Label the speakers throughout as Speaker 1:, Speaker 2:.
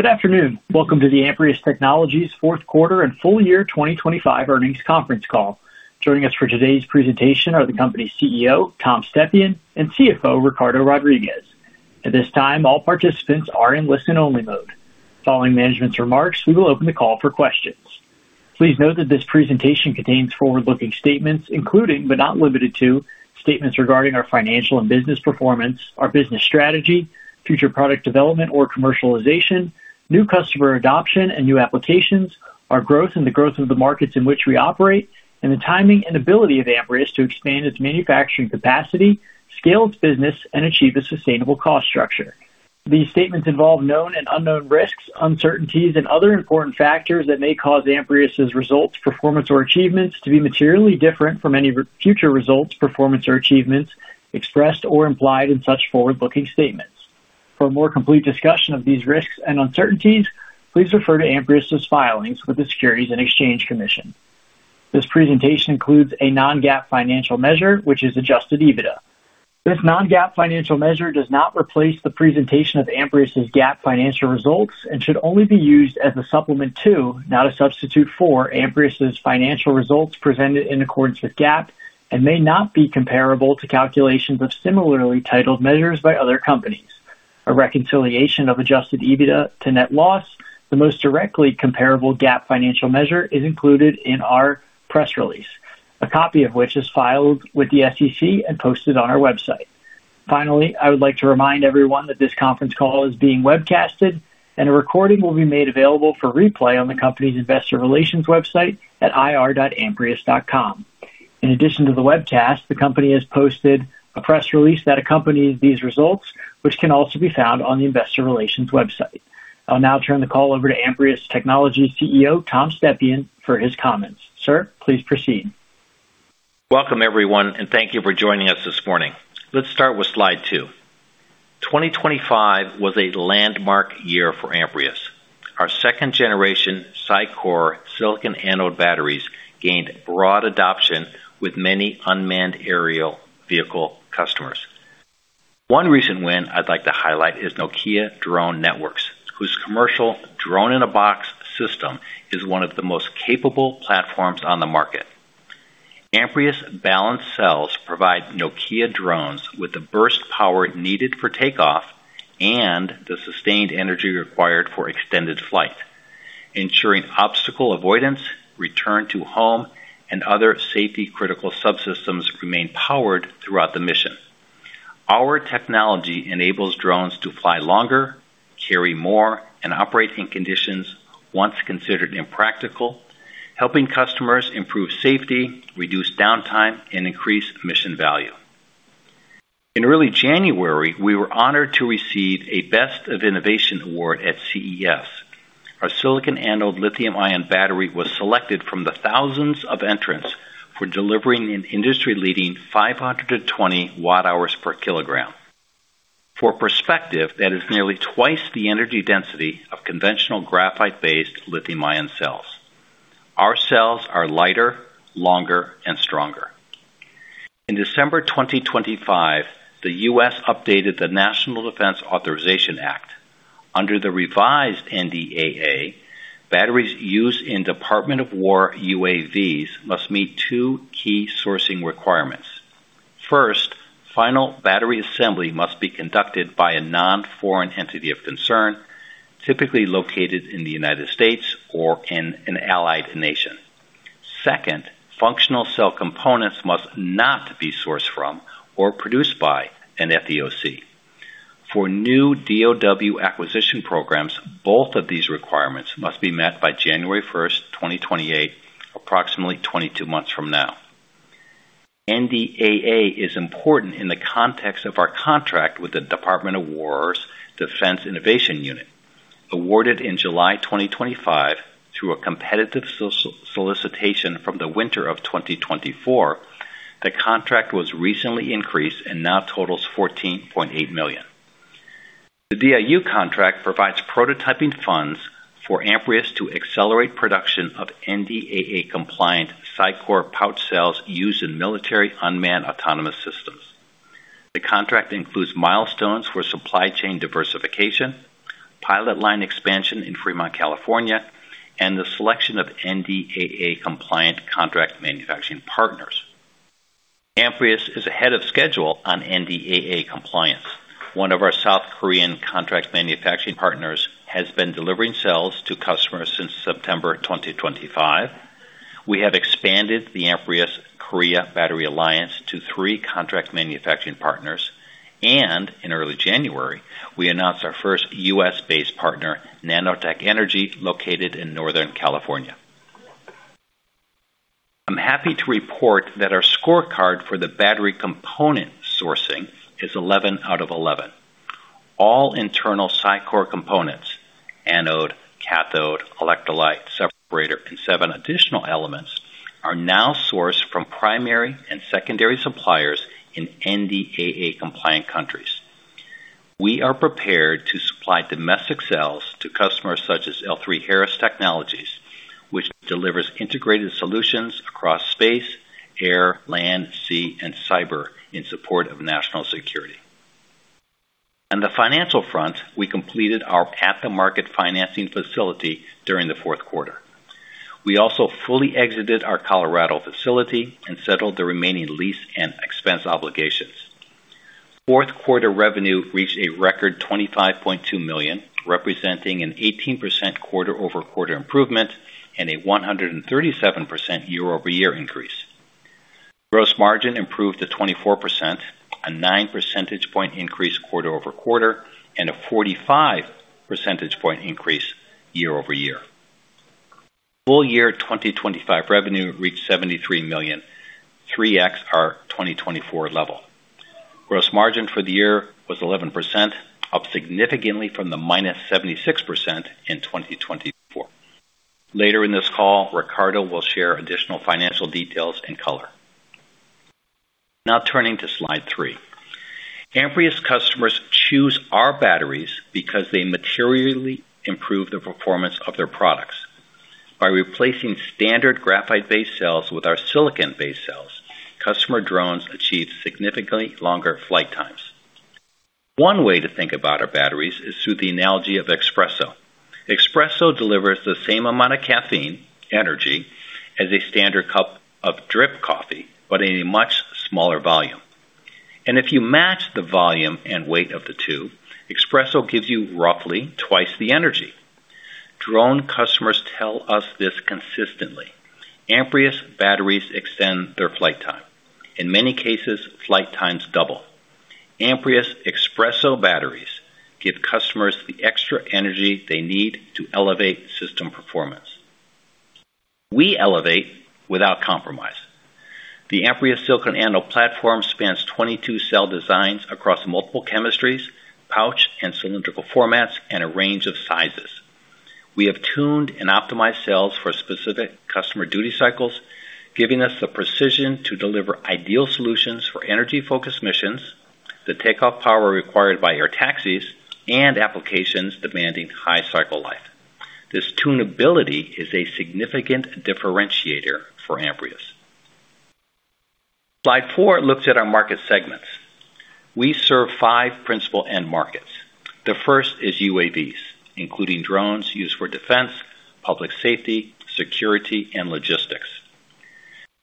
Speaker 1: Good afternoon. Welcome to the Amprius Technologies fourth quarter and full year 2025 earnings conference call. Joining us for today's presentation are the company's CEO, Tom Stepien, and CFO, Ricardo Rodriguez. At this time, all participants are in listen-only mode. Following management's remarks, we will open the call for questions. Please note that this presentation contains forward-looking statements including, but not limited to, statements regarding our financial and business performance, our business strategy, future product development or commercialization, new customer adoption and new applications, our growth and the growth of the markets in which we operate, and the timing and ability of Amprius to expand its manufacturing capacity, scale its business and achieve a sustainable cost structure. These statements involve known and unknown risks, uncertainties and other important factors that may cause Amprius's results, performance or achievements to be materially different from any future results, performance or achievements expressed or implied in such forward-looking statements. For a more complete discussion of these risks and uncertainties, please refer to Amprius's filings with the Securities and Exchange Commission. This presentation includes a non-GAAP financial measure, which is adjusted EBITDA. This non-GAAP financial measure does not replace the presentation of Amprius's GAAP financial results and should only be used as a supplement to, not a substitute for, Amprius's financial results presented in accordance with GAAP and may not be comparable to calculations of similarly titled measures by other companies. A reconciliation of adjusted EBITDA to net loss, the most directly comparable GAAP financial measure, is included in our press release, a copy of which is filed with the SEC and posted on our website. Finally, I would like to remind everyone that this conference call is being webcasted and a recording will be made available for replay on the company's investor relations website at ir.amprius.com. In addition to the webcast, the company has posted a press release that accompanies these results, which can also be found on the investor relations website. I'll now turn the call over to Amprius Technologies CEO, Tom Stepien, for his comments. Sir, please proceed.
Speaker 2: Welcome, everyone, and thank you for joining us this morning. Let's start with slide two. 2025 was a landmark year for Amprius. Our second generation SiCore silicon anode batteries gained broad adoption with many unmanned aerial vehicle customers. One recent win I'd like to highlight is Nokia Drone Networks, whose commercial drone-in-a-box system is one of the most capable platforms on the market. Amprius balanced cells provide Nokia drones with the burst power needed for takeoff and the sustained energy required for extended flight, ensuring obstacle avoidance, return to home, and other safety-critical subsystems remain powered throughout the mission. Our technology enables drones to fly longer, carry more, and operate in conditions once considered impractical, helping customers improve safety, reduce downtime, and increase mission value. In early January, we were honored to receive a Best of Innovation award at CES. Our silicon anode lithium-ion battery was selected from the thousands of entrants for delivering an industry-leading 520 Wh per kg. For perspective, that is nearly twice the energy density of conventional graphite-based lithium-ion cells. Our cells are lighter, longer, and stronger. In December 2025, the U.S. updated the National Defense Authorization Act. Under the revised NDAA, batteries used in Department of Defense UAVs must meet two key sourcing requirements. First, final battery assembly must be conducted by a non-foreign entity of concern, typically located in the U.S. or in an allied nation. Second, functional cell components must not be sourced from or produced by an FEOC. For new DoD acquisition programs, both of these requirements must be met by January 1st, 2028, approximately 22 months from now. NDAA is important in the context of our contract with the Department of Defense's Defense Innovation Unit. Awarded in July 2025 through a competitive solicitation from the winter of 2024, the contract was recently increased and now totals $14.8 million. The DIU contract provides prototyping funds for Amprius to accelerate production of NDAA-compliant SiCore pouch cells used in military unmanned autonomous systems. The contract includes milestones for supply chain diversification, pilot line expansion in Fremont, California, and the selection of NDAA-compliant contract manufacturing partners. Amprius is ahead of schedule on NDAA compliance. One of our South Korean contract manufacturing partners has been delivering cells to customers since September 2025. We have expanded the Amprius Korea Battery Alliance to three contract manufacturing partners. In early January, we announced our first U.S.-based partner, Nanotech Energy, located in Northern California. I'm happy to report that our scorecard for the battery component sourcing is 11 out of 11. All internal SiCore components, anode, cathode, electrolyte, separator, and seven additional elements, are now sourced from primary and secondary suppliers in NDAA-compliant countries. We are prepared to supply domestic cells to customers such as L3Harris Technologies, which delivers integrated solutions across space, air, land, sea, and cyber in support of national security. On the financial front, we completed our At-the-Market financing facility during the fourth quarter. We also fully exited our Colorado facility and settled the remaining lease and expense obligations. Fourth quarter revenue reached a record $25.2 million, representing an 18% quarter-over-quarter improvement and a 137% year-over-year increase. Gross margin improved to 24%, a 9 percentage point increase quarter-over-quarter, and a 45 percentage point increase year-over-year. Full year 2025 revenue reached $73 million, 3x our 2024 level. Gross margin for the year was 11%, up significantly from the -76% in 2024. Later in this call, Ricardo will share additional financial details and color. Turning to slide three. Amprius customers choose our batteries because they materially improve the performance of their products. By replacing standard graphite-based cells with our silicon-based cells, customer drones achieve significantly longer flight times. One way to think about our batteries is through the analogy of espresso. Espresso delivers the same amount of caffeine, energy, as a standard cup of drip coffee, but in a much smaller volume. If you match the volume and weight of the 2, espresso gives you roughly twice the energy. Drone customers tell us this consistently. Amprius batteries extend their flight time. In many cases, flight times double. Amprius Espresso batteries give customers the extra energy they need to elevate system performance. We elevate without compromise. The Amprius silicon anode platform spans 22 cell designs across multiple chemistries, pouch and cylindrical formats, and a range of sizes. We have tuned and optimized cells for specific customer duty cycles, giving us the precision to deliver ideal solutions for energy-focused missions, the takeoff power required by air taxis, and applications demanding high cycle life. This tunability is a significant differentiator for Amprius. Slide four looks at our market segments. We serve five principal end markets. The first is UAVs, including drones used for defense, public safety, security, and logistics.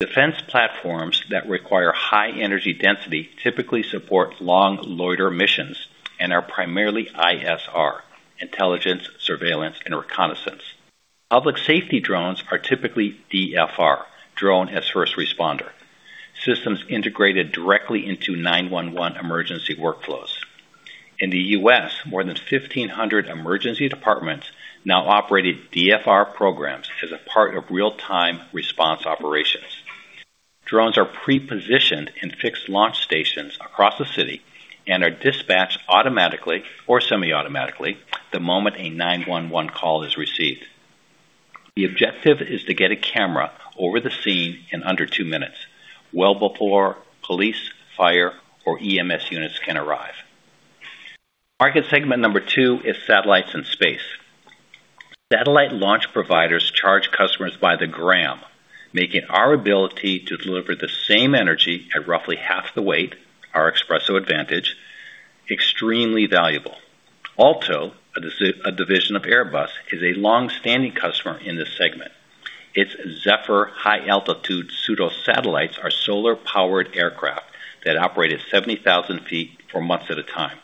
Speaker 2: Defense platforms that require high energy density typically support long loiter missions and are primarily ISR, intelligence, surveillance, and reconnaissance. Public safety drones are typically DFR, drone as first responder, systems integrated directly into 911 emergency workflows. In the U.S., more than 1,500 emergency departments now operate DFR programs as a part of real-time response operations. Drones are pre-positioned in fixed launch stations across the city and are dispatched automatically or semi-automatically the moment a 911 call is received. The objective is to get a camera over the scene in under two minutes, well before police, fire, or EMS units can arrive. Market segment number two is satellites and space. Satellite launch providers charge customers by the gram, making our ability to deliver the same energy at roughly half the weight, our espresso advantage, extremely valuable. A division of Airbus, is a long-standing customer in this segment. Its Zephyr high-altitude pseudo satellites are solar-powered aircraft that operate at 70,000 ft for months at a time.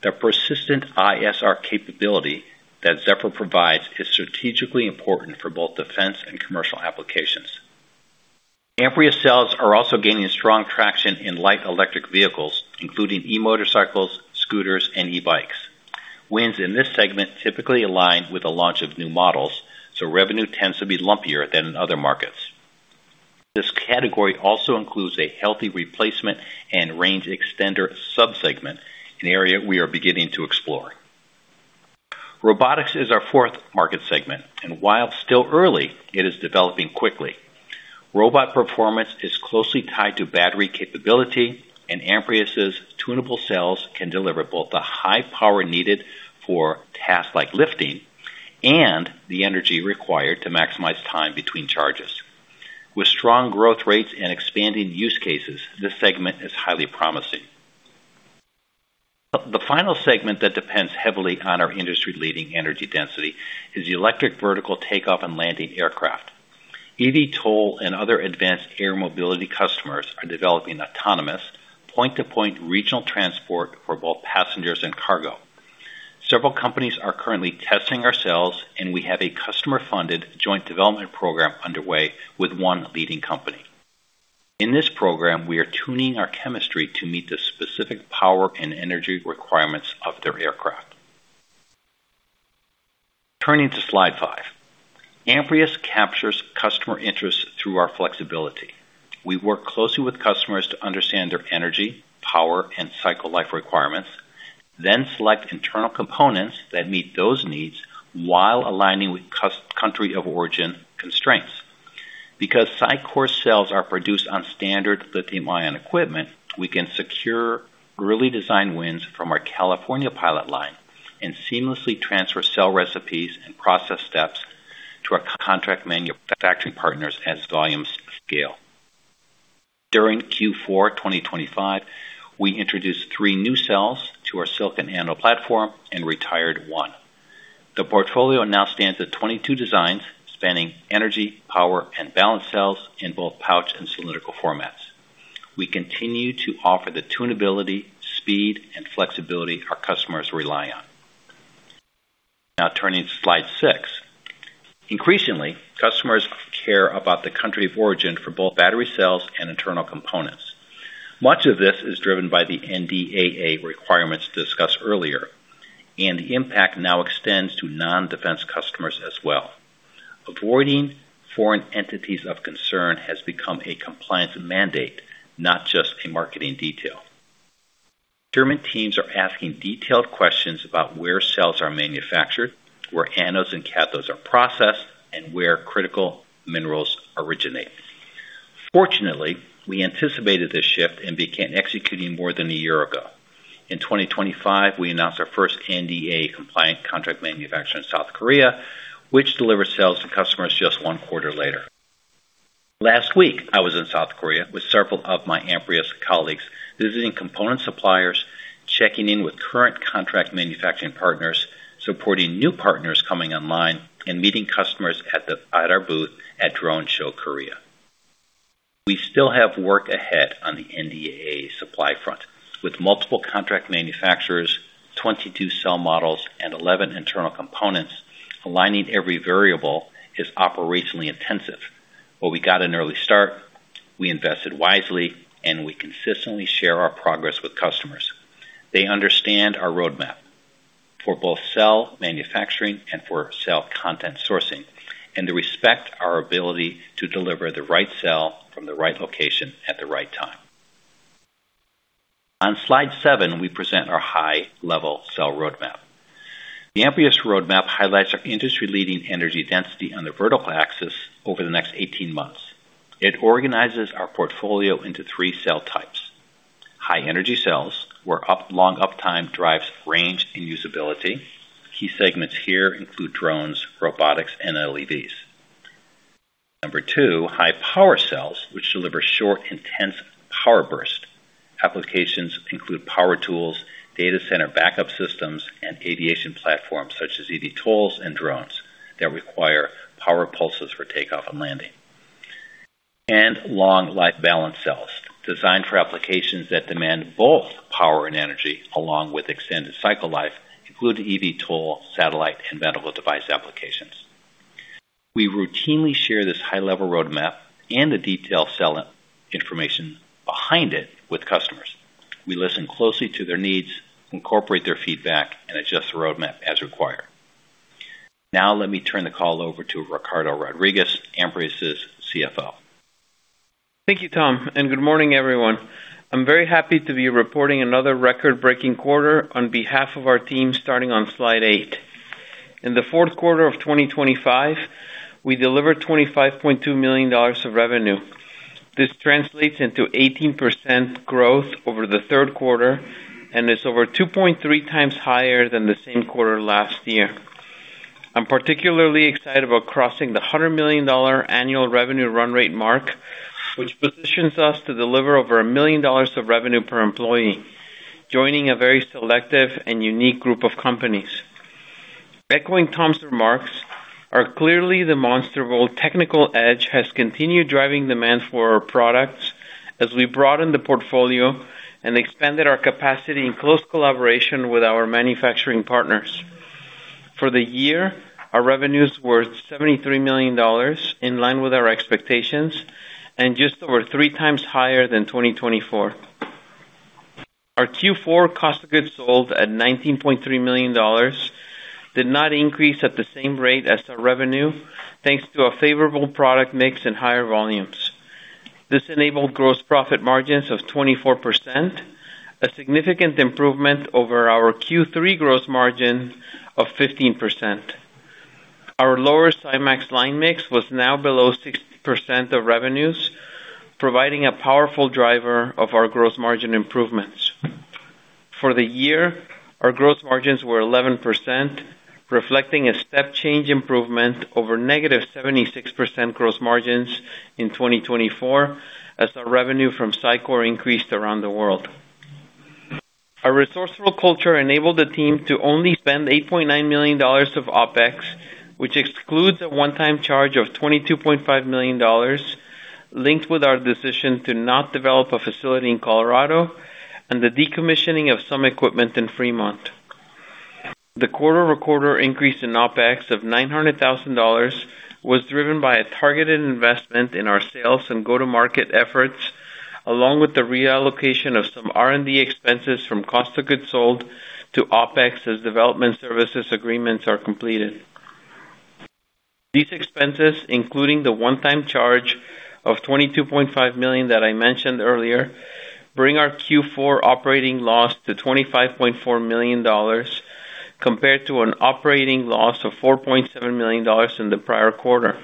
Speaker 2: The persistent ISR capability that Zephyr provides is strategically important for both defense and commercial applications. Amprius cells are also gaining strong traction in light electric vehicles, including e-motorcycles, scooters, and e-bikes. Wins in this segment typically align with the launch of new models, so revenue tends to be lumpier than in other markets. This category also includes a healthy replacement and range extender sub-segment, an area we are beginning to explore. Robotics is our fourth market segment, and while still early, it is developing quickly. Robot performance is closely tied to battery capability, and Amprius' tunable cells can deliver both the high power needed for tasks like lifting and the energy required to maximize time between charges. With strong growth rates and expanding use cases, this segment is highly promising. The final segment that depends heavily on our industry-leading energy density is the electric vertical takeoff and landing aircraft. EVTOL and other advanced air mobility customers are developing autonomous point-to-point regional transport for both passengers and cargo. Several companies are currently testing our cells, and we have a customer-funded joint development program underway with one leading company. In this program, we are tuning our chemistry to meet the specific power and energy requirements of their aircraft. Turning to slide five. Amprius captures customer interest through our flexibility. We work closely with customers to understand their energy, power, and cycle life requirements, then select internal components that meet those needs while aligning with country of origin constraints. Because SiCore cells are produced on standard lithium-ion equipment, we can secure early design wins from our California pilot line and seamlessly transfer cell recipes and process steps to our contract manufacturing partners as volumes scale. During Q4 2025, we introduced three new cells to our silicon anode platform and retired one. The portfolio now stands at 22 designs spanning energy, power, and balance cells in both pouch and cylindrical formats. We continue to offer the tunability, speed, and flexibility our customers rely on. Now turning to slide six. Increasingly, customers care about the country of origin for both battery cells and internal components. Much of this is driven by the NDAA requirements discussed earlier, and the impact now extends to non-defense customers as well. Avoiding foreign entities of concern has become a compliance mandate, not just a marketing detail. German teams are asking detailed questions about where cells are manufactured, where anodes and cathodes are processed, and where critical minerals originate. Fortunately, we anticipated this shift and began executing more than one year ago. In 2025, we announced our first NDAA compliant contract manufacturer in South Korea, which delivered cells to customers just one quarter later. Last week, I was in South Korea with several of my Amprius colleagues, visiting component suppliers, checking in with current contract manufacturing partners, supporting new partners coming online, and meeting customers at our booth at Drone Show Korea. We still have work ahead on the NDAA supply front. With multiple contract manufacturers, 22 cell models, and 11 internal components, aligning every variable is operationally intensive. We got an early start, we invested wisely, and we consistently share our progress with customers. They understand our roadmap for both cell manufacturing and for cell content sourcing, and they respect our ability to deliver the right cell from the right location at the right time. On slide seven, we present our high-level cell roadmap. The Amprius roadmap highlights our industry-leading energy density on the vertical axis over the next 18 months. It organizes our portfolio into three cell types. High energy cells, where long uptime drives range and usability. Key segments here include drones, robotics, and LEDs. Two, high power cells, which deliver short, intense power burst. Applications include power tools, data center backup systems, and aviation platforms such as eVTOLs and drones that require power pulses for takeoff and landing. Long life balance cells, designed for applications that demand both power and energy along with extended cycle life, include eVTOL, satellite, and medical device applications. We routinely share this high-level roadmap and the detailed cell information behind it with customers. We listen closely to their needs, incorporate their feedback, and adjust the roadmap as required. Let me turn the call over to Ricardo Rodriguez, Amprius's CFO.
Speaker 3: Thank you, Tom. Good morning, everyone. I'm very happy to be reporting another record-breaking quarter on behalf of our team starting on slide eight. In the fourth quarter of 2025, we delivered $25.2 million of revenue. This translates into 18% growth over the third quarter, and it's over 2.3x higher than the same quarter last year. I'm particularly excited about crossing the $100 million annual revenue run rate mark, which positions us to deliver over $1 million of revenue per employee, joining a very selective and unique group of companies. Echoing Tom's remarks, our clearly demonstrable technical edge has continued driving demand for our products as we broaden the portfolio and expanded our capacity in close collaboration with our manufacturing partners. For the year, our revenues were $73 million, in line with our expectations, and just over 3x higher than 2024. Our Q4 cost of goods sold at $19.3 million did not increase at the same rate as our revenue, thanks to a favorable product mix and higher volumes. This enabled gross profit margins of 24%, a significant improvement over our Q3 gross margin of 15%. Our lower SiMaxx line mix was now below 6% of revenues, providing a powerful driver of our gross margin improvements. For the year, our gross margins were 11%, reflecting a step change improvement over negative 76% gross margins in 2024 as our revenue from SiCore increased around the world. Our resourceful culture enabled the team to only spend $8.9 million of OpEx, which excludes a one-time charge of $22.5 million linked with our decision to not develop a facility in Colorado and the decommissioning of some equipment in Fremont. The quarter-over-quarter increase in OpEx of $900,000 was driven by a targeted investment in our sales and go-to-market efforts, along with the reallocation of some R&D expenses from cost of goods sold to OpEx as development services agreements are completed. These expenses, including the one-time charge of $22.5 million that I mentioned earlier, bring our Q4 operating loss to $25.4 million. Compared to an operating loss of $4.7 million in the prior quarter.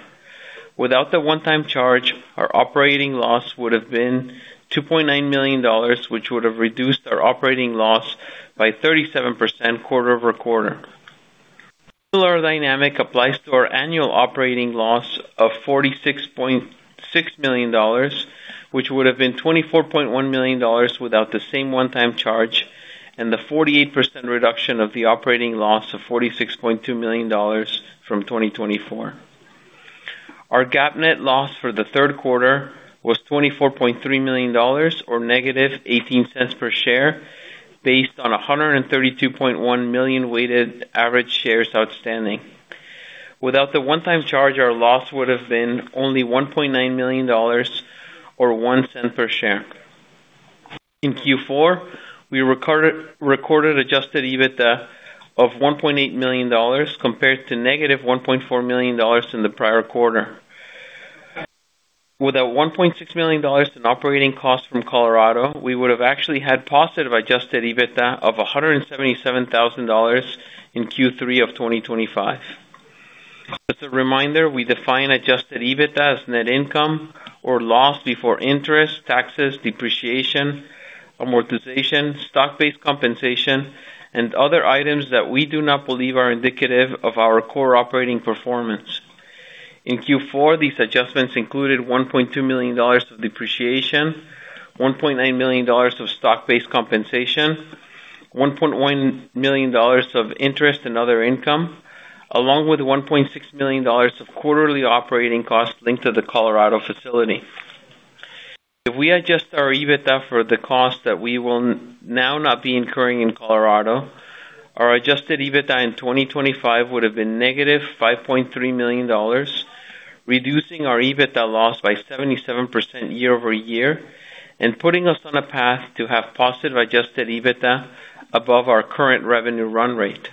Speaker 3: Without the one-time charge, our operating loss would have been $2.9 million, which would have reduced our operating loss by 37% quarter-over-quarter. Similar dynamic applies to our annual operating loss of $46.6 million, which would have been $24.1 million without the same one-time charge and the 48% reduction of the operating loss of $46.2 million from 2024. Our GAAP net loss for the third quarter was $24.3 million or negative $0.18 per share, based on 132.1 million weighted average shares outstanding. Without the one-time charge, our loss would have been only $1.9 million or $0.01 per share. In Q4, we recorded adjusted EBITDA of $1.8 million compared to negative $1.4 million in the prior quarter. Without $1.6 million in operating costs from Colorado, we would have actually had positive adjusted EBITDA of $177,000 in Q3 of 2025. As a reminder, we define adjusted EBITDA as net income or loss before interest, taxes, depreciation, amortization, stock-based compensation, and other items that we do not believe are indicative of our core operating performance. In Q4, these adjustments included $1.2 million of depreciation, $1.9 million of stock-based compensation, $1.1 million of interest and other income, along with $1.6 million of quarterly operating costs linked to the Colorado facility. If we adjust our EBITDA for the cost that we will now not be incurring in Colorado, our adjusted EBITDA in 2025 would have been -$5.3 million, reducing our EBITDA loss by 77% year-over-year and putting us on a path to have positive adjusted EBITDA above our current revenue run rate.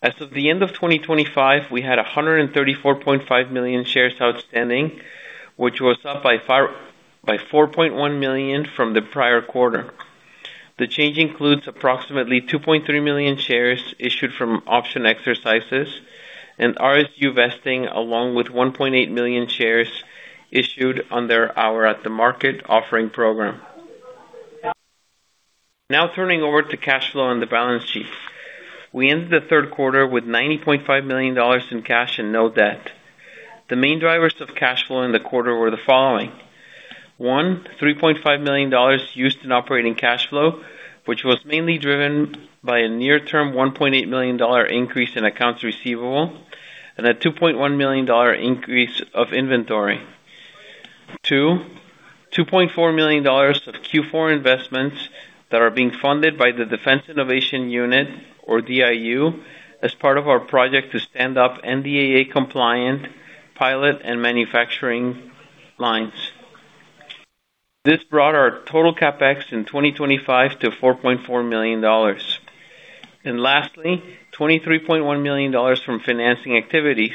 Speaker 3: As of the end of 2025, we had 134.5 million shares outstanding, which was up by 4.1 million from the prior quarter. The change includes approximately 2.3 million shares issued from option exercises and RSU vesting, along with 1.8 million shares issued under our At-the-Market offering program. Turning over to cash flow and the balance sheet. We ended the third quarter with $90.5 million in cash and no debt. The main drivers of cash flow in the quarter were the following. One, $3.5 million used in operating cash flow, which was mainly driven by a near-term $1.8 million increase in accounts receivable and a $2.1 million increase of inventory. Two, $2.4 million of Q4 investments that are being funded by the Defense Innovation Unit, or DIU, as part of our project to stand up NDAA compliant pilot and manufacturing lines. This brought our total CapEx in 2025 to $4.4 million. Lastly, $23.1 million from financing activities,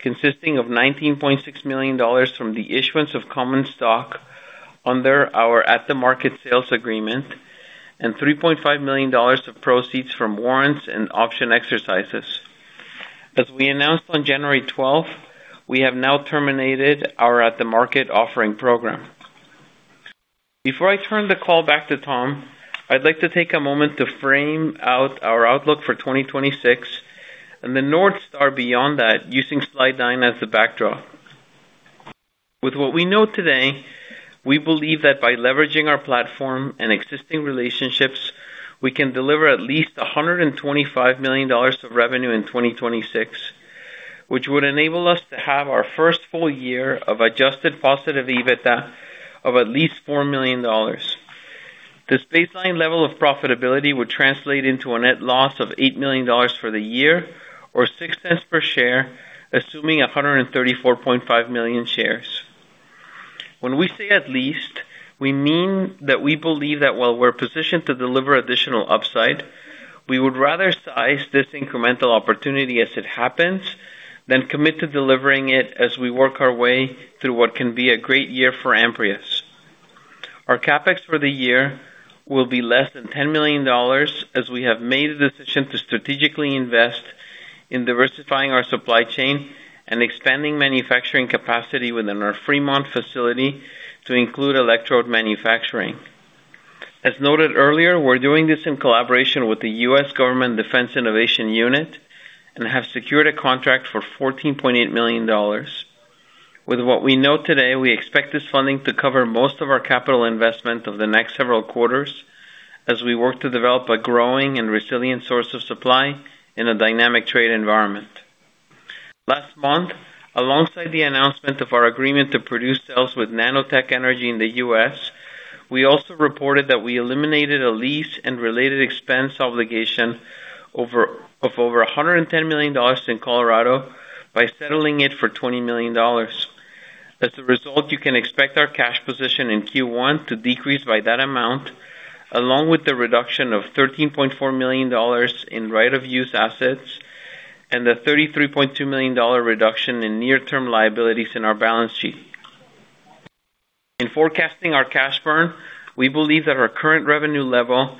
Speaker 3: consisting of $19.6 million from the issuance of common stock under our At-the-Market sales agreement and $3.5 million of proceeds from warrants and option exercises. As we announced on January 12th, we have now terminated our At-the-Market offering program. Before I turn the call back to Tom, I'd like to take a moment to frame out our outlook for 2026 and the North Star beyond that using slide nine as a backdrop. With what we know today, we believe that by leveraging our platform and existing relationships, we can deliver at least $125 million of revenue in 2026, which would enable us to have our first full year of adjusted positive EBITDA of at least $4 million. This baseline level of profitability would translate into a net loss of $8 million for the year or $0.06 per share, assuming 134.5 million shares. When we say at least, we mean that we believe that while we're positioned to deliver additional upside, we would rather size this incremental opportunity as it happens than commit to delivering it as we work our way through what can be a great year for Amprius. Our CapEx for the year will be less than $10 million, as we have made the decision to strategically invest in diversifying our supply chain and expanding manufacturing capacity within our Fremont facility to include electrode manufacturing. As noted earlier, we're doing this in collaboration with the U.S. Government Defense Innovation Unit and have secured a contract for $14.8 million. With what we know today, we expect this funding to cover most of our capital investment over the next several quarters as we work to develop a growing and resilient source of supply in a dynamic trade environment. Last month, alongside the announcement of our agreement to produce cells with Nanotech Energy in the U.S., we also reported that we eliminated a lease and related expense obligation of over $110 million in Colorado by settling it for $20 million. As a result, you can expect our cash position in Q1 to decrease by that amount, along with the reduction of $13.4 million in right-of-use assets and the $33.2 million reduction in near-term liabilities in our balance sheet. In forecasting our cash burn, we believe that our current revenue level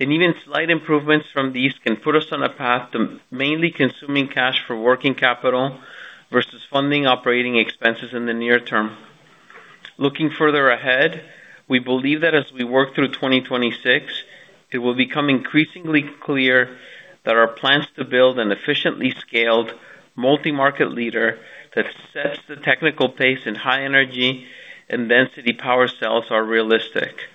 Speaker 3: and even slight improvements from these can put us on a path to mainly consuming cash for working capital versus funding operating expenses in the near term. Looking further ahead, we believe that as we work through 2026, it will become increasingly clear that our plans to build an efficiently scaled multi-market leader that sets the technical pace in high energy and density power cells are realistic.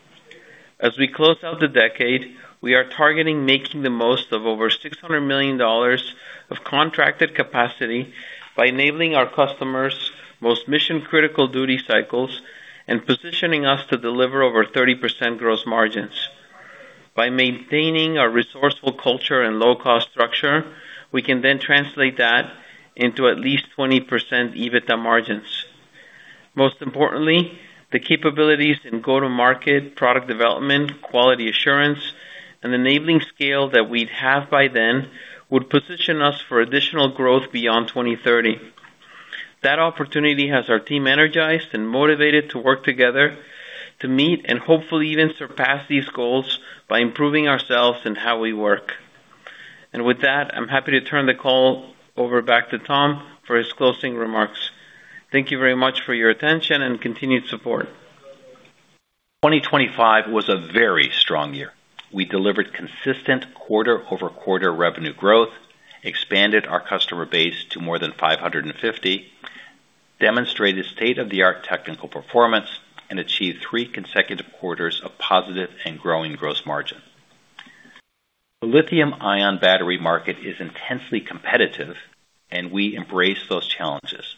Speaker 3: As we close out the decade, we are targeting making the most of over $600 million of contracted capacity by enabling our customers' most mission-critical duty cycles and positioning us to deliver over 30% gross margins. By maintaining our resourceful culture and low-cost structure, we can then translate that into at least 20% EBITDA margins. Most importantly, the capabilities in go-to-market, product development, quality assurance, and enabling scale that we'd have by then would position us for additional growth beyond 2030. That opportunity has our team energized and motivated to work together to meet and hopefully even surpass these goals by improving ourselves and how we work. With that, I'm happy to turn the call over back to Tom for his closing remarks. Thank you very much for your attention and continued support.
Speaker 2: 2025 was a very strong year. We delivered consistent quarter-over-quarter revenue growth, expanded our customer base to more than 550, demonstrated state-of-the-art technical performance, and achieved three consecutive quarters of positive and growing gross margin. The lithium-ion battery market is intensely competitive, and we embrace those challenges.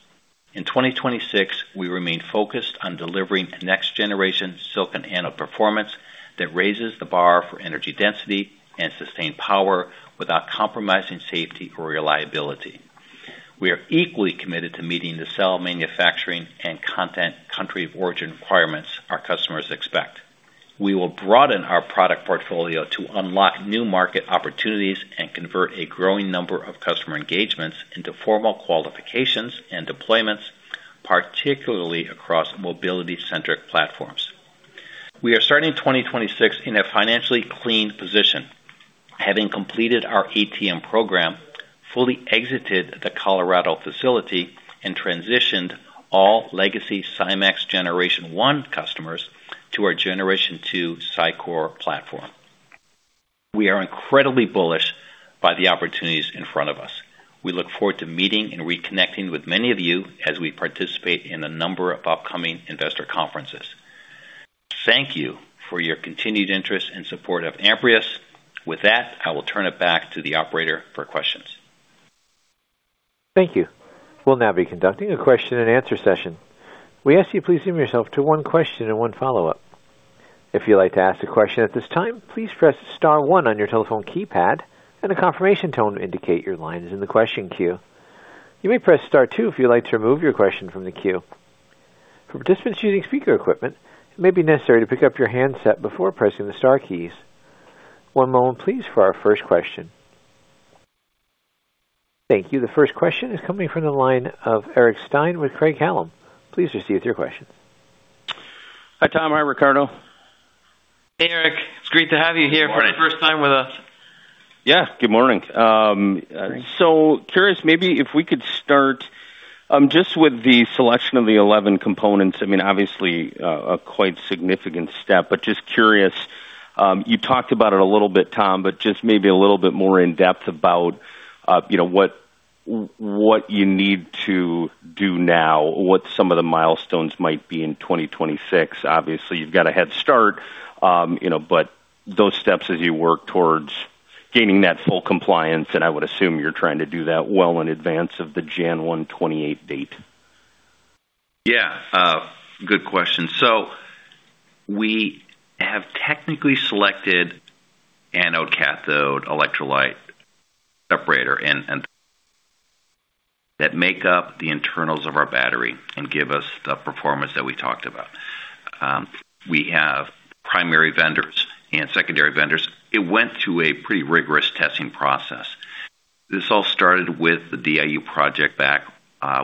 Speaker 2: In 2026, we remain focused on delivering a next-generation silicon anode performance that raises the bar for energy density and sustained power without compromising safety or reliability. We are equally committed to meeting the cell manufacturing and content country of origin requirements our customers expect. We will broaden our product portfolio to unlock new market opportunities and convert a growing number of customer engagements into formal qualifications and deployments, particularly across mobility-centric platforms. We are starting 2026 in a financially clean position, having completed our ATM program, fully exited the Colorado facility, and transitioned all legacy SiMaxx Generation One customers to our Generation Two SiCore platform. We are incredibly bullish by the opportunities in front of us. We look forward to meeting and reconnecting with many of you as we participate in a number of upcoming investor conferences. Thank you for your continued interest and support of Amprius. With that, I will turn it back to the operator for questions.
Speaker 1: Thank you. We'll now be conducting a question and answer session. We ask you please limit yourself to one question and one follow-up. If you'd like to ask a question at this time, please press star one on your telephone keypad, and a confirmation tone will indicate your line is in the question queue. You may press star two if you'd like to remove your question from the queue. For participants using speaker equipment, it may be necessary to pick up your handset before pressing the star keys. One moment please for our first question. Thank you. The first question is coming from the line of Eric Stine with Craig-Hallum. Please proceed with your question.
Speaker 4: Hi, Tom. Hi, Ricardo.
Speaker 3: Hey, Eric. It's great to have you here for the first time with us.
Speaker 4: Yeah. Good morning. Curious, maybe if we could start, just with the selection of the 11 components. I mean, obviously, a quite significant step, but just curious, you talked about it a little bit, Tom, but just maybe a little bit more in depth about, you know, what you need to do now, what some of the milestones might be in 2026. Obviously, you've got a head start, you know, but those steps as you work towards gaining that full compliance, and I would assume you're trying to do that well in advance of the Jan 1, 2028 date.
Speaker 2: Good question. We have technically selected anode, cathode, electrolyte, separator and that make up the internals of our battery and give us the performance that we talked about. We have primary vendors and secondary vendors. It went to a pretty rigorous testing process. This all started with the DIU project back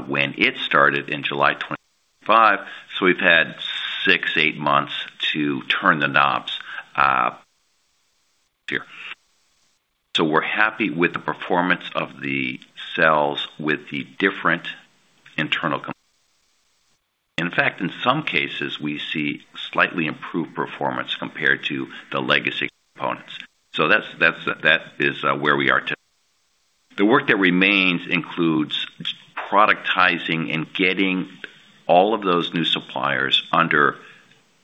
Speaker 2: when it started in July 2025. We've had six, eight months to turn the knobs here. We're happy with the performance of the cells with the different internal components. In fact, in some cases, we see slightly improved performance compared to the legacy components. That's that is where we are today. The work that remains includes productizing and getting all of those new suppliers under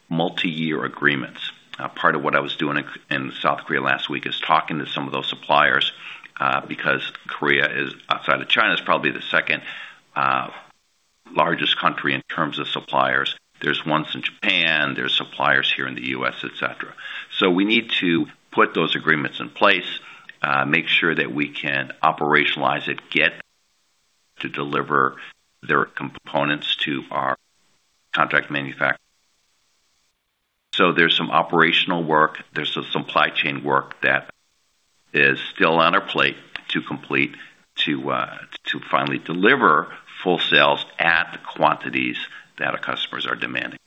Speaker 2: multi-year agreements. Part of what I was doing in South Korea last week is talking to some of those suppliers, because Korea is, outside of China, is probably the second largest country in terms of suppliers. There's ones in Japan, there's suppliers here in the U.S., et cetera. We need to put those agreements in place, make sure that we can operationalize it, get to deliver their components to our contract manufacturer. There's some operational work, there's some supply chain work that is still on our plate to complete to finally deliver full sales at the quantities that our customers are demanding.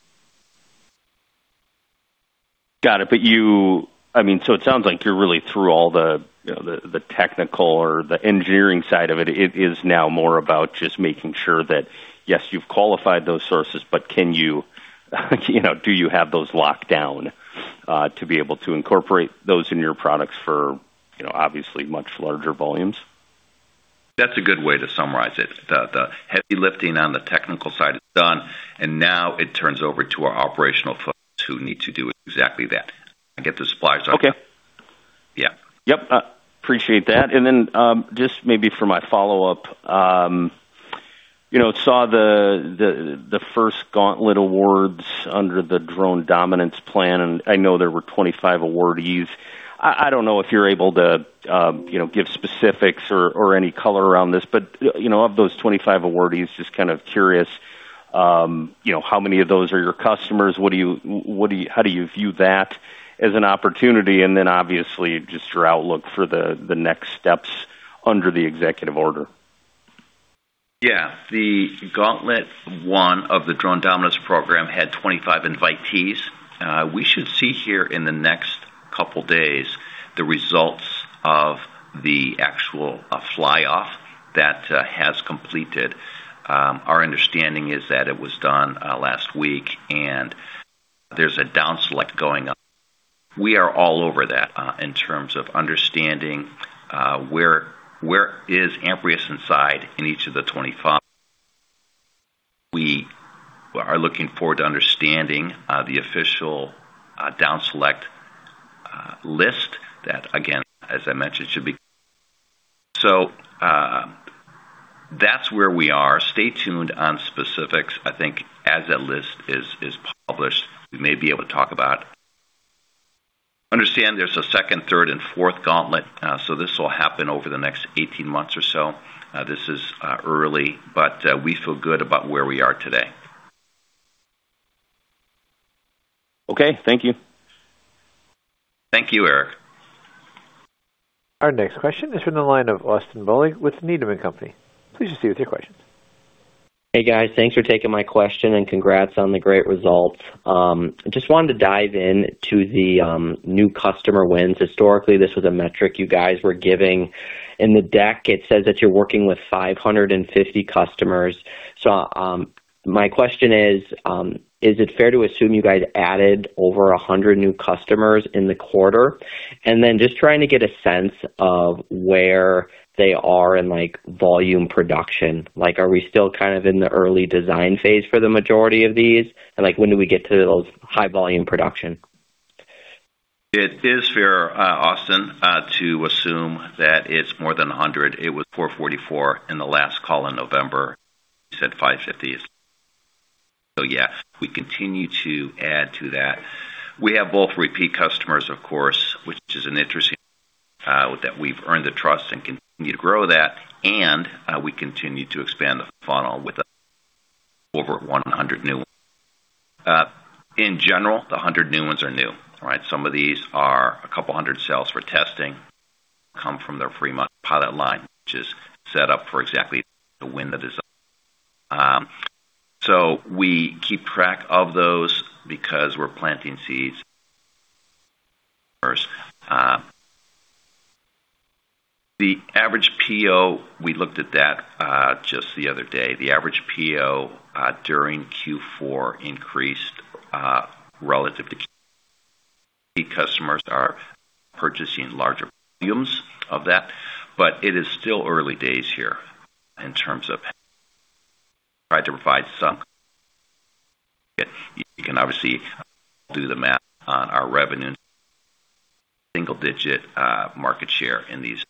Speaker 4: Got it. I mean, it sounds like you're really through all the, you know, the technical or the engineering side of it. It is now more about just making sure that, yes, you've qualified those sources, but can you know, do you have those locked down to be able to incorporate those in your products for, you know, obviously much larger volumes?
Speaker 2: That's a good way to summarize it. The heavy lifting on the technical side is done, and now it turns over to our operational folks who need to do exactly that and get the supplies out.
Speaker 4: Okay.
Speaker 2: Yeah.
Speaker 4: Yep, appreciate that. Just maybe for my follow-up, you know, saw the first Gauntlet awards under the Drone Dominance Program, and I know there were 25 awardees. I don't know if you're able to, you know, give specifics or any color around this, but, you know, of those 25 awardees, just kind of curious, you know, how many of those are your customers? What do you how do you view that as an opportunity? Obviously, just your outlook for the next steps under the executive order.
Speaker 2: The Gauntlet One of the Drone Dominance Program had 25 invitees. We should see here in the next couple days the results of the actual fly off that has completed. Our understanding is that it was done last week, and there's a down select going on. We are all over that in terms of understanding where is Amprius inside in each of the 25. We are looking forward to understanding the official down select list that again, as I mentioned, should be... That's where we are. Stay tuned on specifics. I think as that list is published, we may be able to talk about. Understand there's a second, third and fourth gauntlet, so this will happen over the next 18 months or so. This is early, but we feel good about where we are today.
Speaker 4: Okay. Thank you.
Speaker 2: Thank you, Eric.
Speaker 1: Our next question is from the line of Austin Bohlig with Needham & Company. Please proceed with your questions.
Speaker 5: Hey guys. Thanks for taking my question and congrats on the great results. I just wanted to dive in to the new customer wins. Historically, this was a metric you guys were giving. In the deck, it says that you're working with 550 customers. My question is it fair to assume you guys added over 100 new customers in the quarter? Just trying to get a sense of where they are in, like, volume production. Like, are we still kind of in the early design phase for the majority of these? Like, when do we get to those high volume production?
Speaker 2: It is fair, Austin, to assume that it's more than 100. It was 444 in the last call in November. You said 550. Yeah, we continue to add to that. We have both repeat customers, of course, which is interesting that we've earned the trust and continue to grow that, and we continue to expand the funnel with over 100 new. In general, the 100 new ones are new, right? Some of these are a couple hundred sales for testing, come from their Fremont pilot line, which is set up for exactly the win that is. We keep track of those because we're planting seeds first. The average PO, we looked at that just the other day. The average PO during Q4 increased relative to customers are purchasing larger volumes of that. It is still early days here in terms of trying to provide some. You can obviously do the math on our revenue, single digit market share in these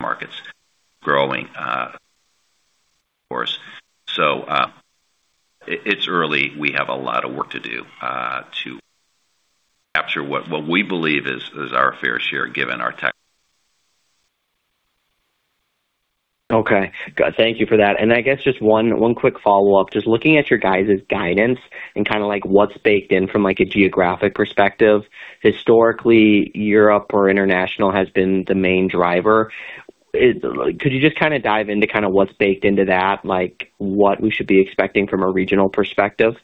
Speaker 2: markets growing, of course. It's early. We have a lot of work to do to capture what we believe is our fair share given our tech.
Speaker 5: Okay. Thank you for that. I guess just one quick follow-up. Just looking at your guys' guidance and kind of what's baked in from a geographic perspective. Historically, Europe or international has been the main driver. Could you just kind of dive into kind of what's baked into that, what we should be expecting from a regional perspective?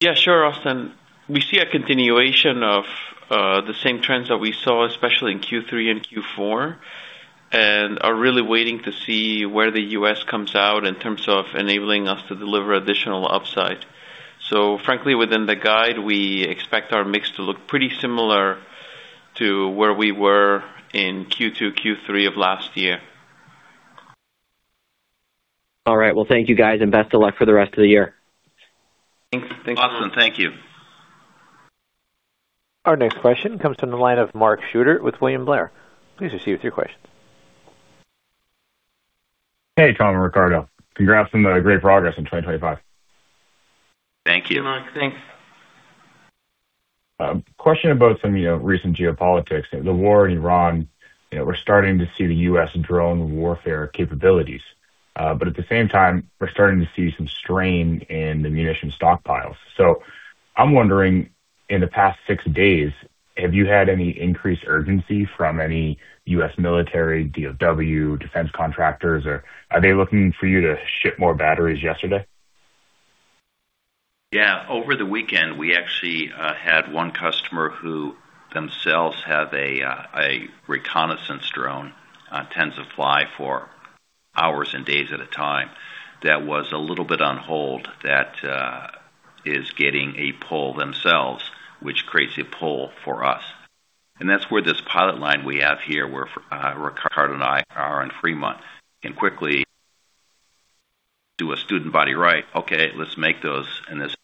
Speaker 3: Yeah, sure, Austin. We see a continuation of the same trends that we saw, especially in Q3 and Q4, and are really waiting to see where the U.S. comes out in terms of enabling us to deliver additional upside. Frankly, within the guide, we expect our mix to look pretty similar to where we were in Q2, Q3 of last year.
Speaker 5: All right. Well, thank you, guys, and best of luck for the rest of the year.
Speaker 2: Thanks, Austin. Thank you.
Speaker 1: Our next question comes from the line of Mark Shooter with William Blair. Please proceed with your question.
Speaker 6: Hey, Tom and Ricardo. Congrats on the great progress in 2025.
Speaker 2: Thank you.
Speaker 3: Thanks.
Speaker 6: Question about some, you know, recent geopolitics. The war in Iran, you know, we're starting to see the U.S. drone warfare capabilities, but at the same time, we're starting to see some strain in the munition stockpiles. I'm wondering, in the past six days, have you had any increased urgency from any U.S. military, DIU, defense contractors, or are they looking for you to ship more batteries yesterday?
Speaker 2: Yeah. Over the weekend, we actually had one customer who themselves have a reconnaissance drone, tends to fly for hours and days at a time that was a little bit on hold that is getting a pull themselves, which creates a pull for us. That's where this pilot line we have here, where Ricardo and I are in Fremont, can quickly do a student body right. Okay, let's make those in this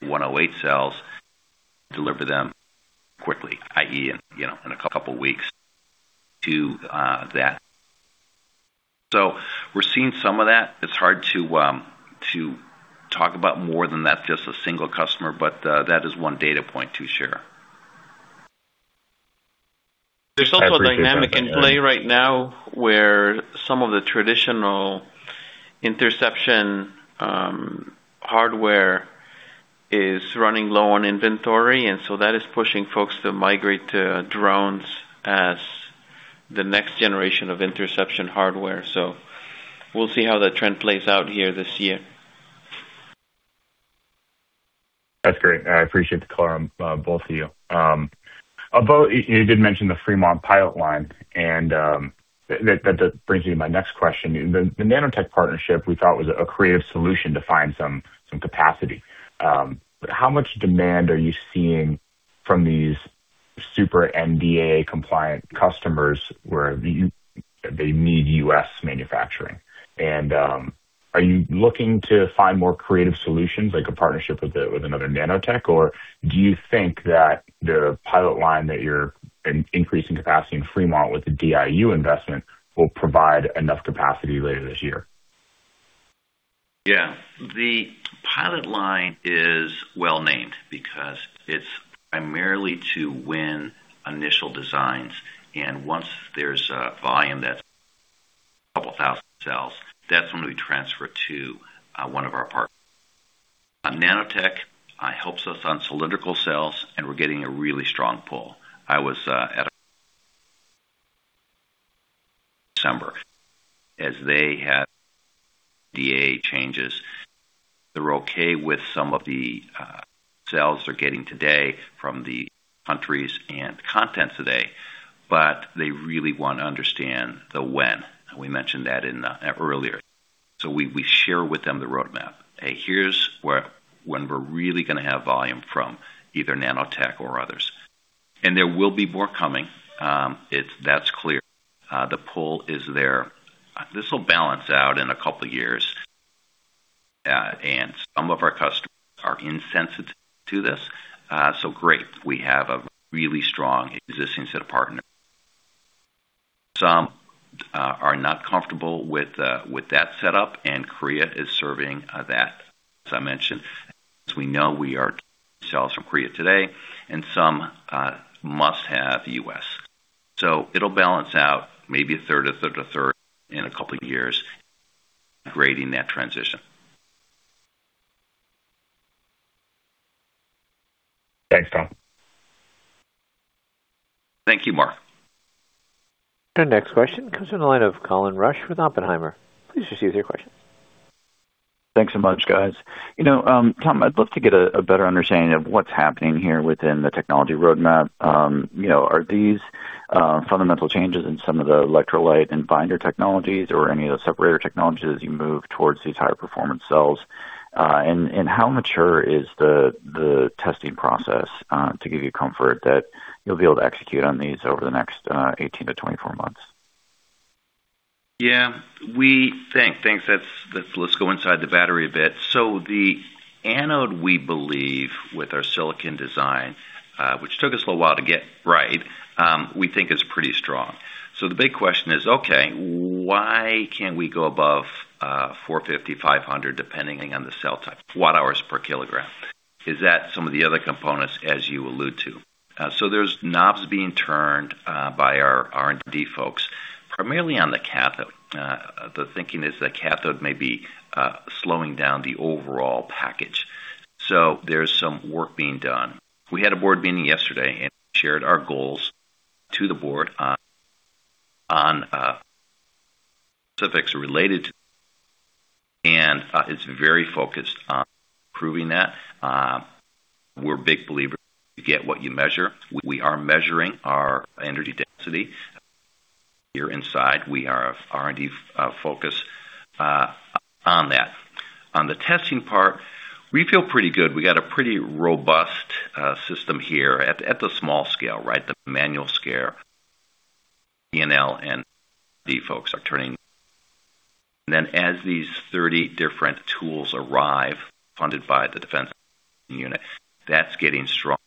Speaker 2: 108 cells, deliver them quickly, i.e., you know, in a couple of weeks to that. We're seeing some of that. It's hard to talk about more than that, just a single customer. That is one data point to share.
Speaker 6: I appreciate that.
Speaker 3: There's also a dynamic in play right now, where some of the traditional interception, hardware is running low on inventory, that is pushing folks to migrate to drones as the next generation of interception hardware. We'll see how that trend plays out here this year.
Speaker 6: That's great. I appreciate the color on both of you. You did mention the Fremont pilot line, and that brings me to my next question. The Nanotech Energy partnership, we thought was a creative solution to find some capacity. How much demand are you seeing from these super NDAA compliant customers where they need U.S. manufacturing? Are you looking to find more creative solutions like a partnership with another Nanotech Energy, or do you think that the pilot line that you're increasing capacity in Fremont with the DIU investment will provide enough capacity later this year?
Speaker 2: Yeah. The pilot line is well-named because it's primarily to win initial designs. Once there's volume, that's 2,000 cells, that's when we transfer to one of our partners. Nanotech helps us on cylindrical cells, and we're getting a really strong pull. I was at December as they had DA changes. They're okay with some of the cells they're getting today from the countries and content today, they really want to understand the when. We mentioned that earlier. We share with them the roadmap. "Hey, here's when we're really gonna have volume from either Nanotech or others." There will be more coming. That's clear. The pull is there. This will balance out in two years. Some of our customers are insensitive to this. Great. We have a really strong existing set of partners. Some are not comfortable with that setup, Korea is serving that, as I mentioned. As we know, we are cells from Korea today, some must have U.S. It'll balance out maybe a third, a third, a third in a couple of years grading that transition.
Speaker 6: Thanks, Tom.
Speaker 2: Thank you, Mark.
Speaker 1: Our next question comes from the line of Colin Rusch with Oppenheimer. Please just use your question.
Speaker 7: Thanks so much, guys. You know, Tom, I'd love to get a better understanding of what's happening here within the technology roadmap. You know, are these fundamental changes in some of the electrolyte and binder technologies or any of the separator technologies as you move towards these high-performance cells? And how mature is the testing process to give you comfort that you'll be able to execute on these over the next 18-24 months?
Speaker 2: We think that's. Let's go inside the battery a bit. The anode, we believe, with our silicon design, which took us a little while to get right, we think is pretty strong. The big question is, okay, why can't we go above 450, 500, depending on the cell type, giga-watt per kg? Is that some of the other components, as you allude to? There's knobs being turned by our R&D folks, primarily on the cathode. The thinking is that cathode may be slowing down the overall package. There's some work being done. We had a board meeting yesterday and shared our goals to the board on specifics related to and it's very focused on improving that. We're big believers, you get what you measure. We are measuring our energy density. Here inside, we are R&D focused on that. On the testing part, we feel pretty good. We got a pretty robust system here at the small scale, right? The manual scale. ENL and the folks are turning. As these 30 different tools arrive, funded by the Defense Unit, that's getting stronger.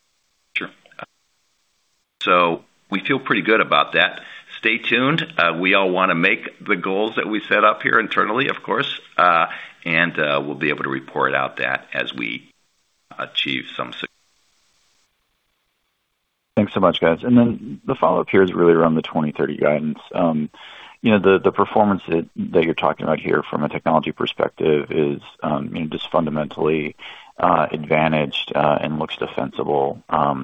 Speaker 2: We feel pretty good about that. Stay tuned. We all wanna make the goals that we set up here internally, of course, and we'll be able to report out that as we achieve some success.
Speaker 7: Thanks so much, guys. The follow-up here is really around the 2030 guidance. You know, the performance that you're talking about here from a technology perspective is, you know, just fundamentally advantaged and looks defensible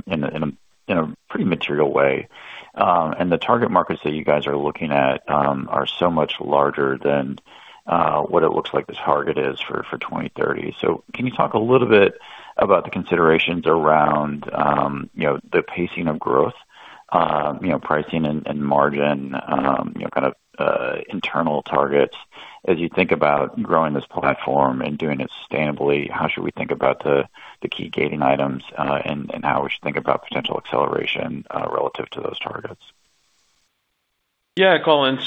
Speaker 7: in a, in a, in a pretty material way. The target markets that you guys are looking at are so much larger than what it looks like the target is for 2030. Can you talk a little bit about the considerations around, you know, the pacing of growth, you know, pricing and margin, you know, kind of internal targets as you think about growing this platform and doing it sustainably, how should we think about the key gating items, and how we should think about potential acceleration relative to those targets?
Speaker 3: Yeah, Colin.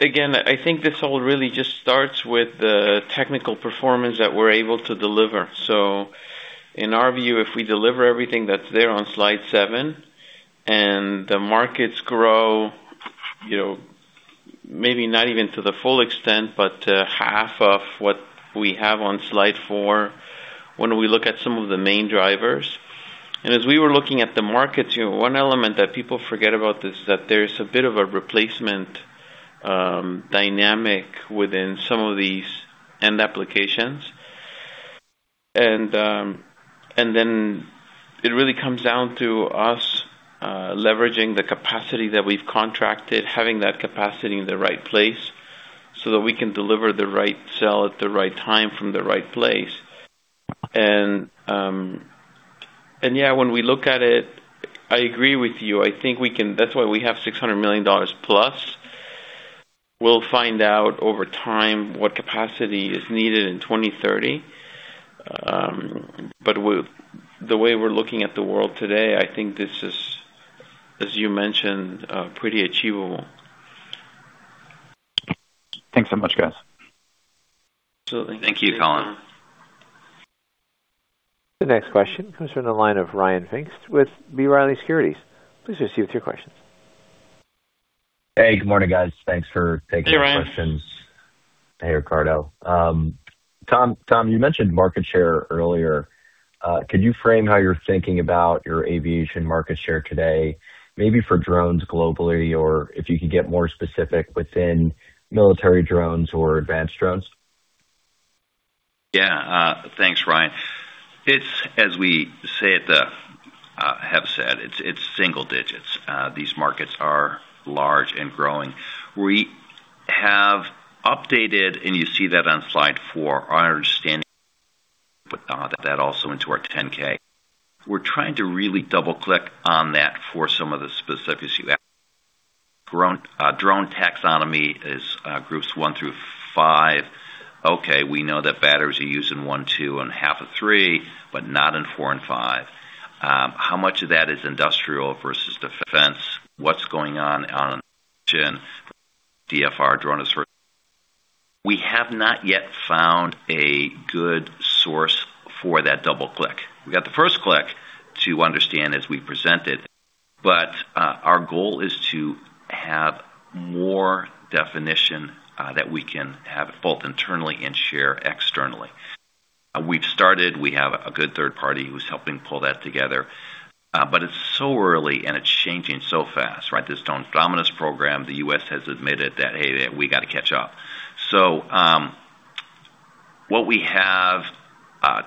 Speaker 3: Again, I think this all really just starts with the technical performance that we're able to deliver. In our view, if we deliver everything that's there on slide seven and the markets grow, you know, maybe not even to the full extent, but half of what we have on slide four when we look at some of the main drivers. As we were looking at the markets, you know, one element that people forget about this is that there's a bit of a replacement dynamic within some of these end applications. It really comes down to us leveraging the capacity that we've contracted, having that capacity in the right place so that we can deliver the right cell at the right time from the right place. Yeah, when we look at it, I agree with you. I think we can That's why we have $600 million+. We'll find out over time what capacity is needed in 2030. With the way we're looking at the world today, I think this is, as you mentioned, pretty achievable.
Speaker 7: Thanks so much, guys.
Speaker 3: Absolutely.
Speaker 2: Thank you, Colin.
Speaker 1: The next question comes from the line of Ryan Pfingst with B. Riley Securities. Please proceed with your questions.
Speaker 8: Hey, good morning, guys. Thanks for taking the questions.
Speaker 3: Hey, Ryan.
Speaker 8: Hey, Ricardo. Tom, you mentioned market share earlier. Could you frame how you're thinking about your aviation market share today, maybe for drones globally, or if you could get more specific within military drones or advanced drones?
Speaker 2: Yeah. Thanks, Ryan. It's as we say, have said, it's single digits. These markets are large and growing. We have updated, and you see that on slide four, our understanding, put that also into our 10-K. We're trying to really double-click on that for some of the specifics you asked. Drone taxonomy is groups one through five. Okay, we know that batteries are used in one, two, and half of three, but not in four and five. How much of that is industrial versus defense? What's going on the chin, DFR, drone sort? We have not yet found a good source for that double click. We got the first click to understand as we presented, but our goal is to have more definition that we can have both internally and share externally. We've started, we have a good third party who's helping pull that together, it's so early and it's changing so fast, right? This Drone Dominance Program, the U.S. has admitted that, "Hey, we gotta catch up." What we have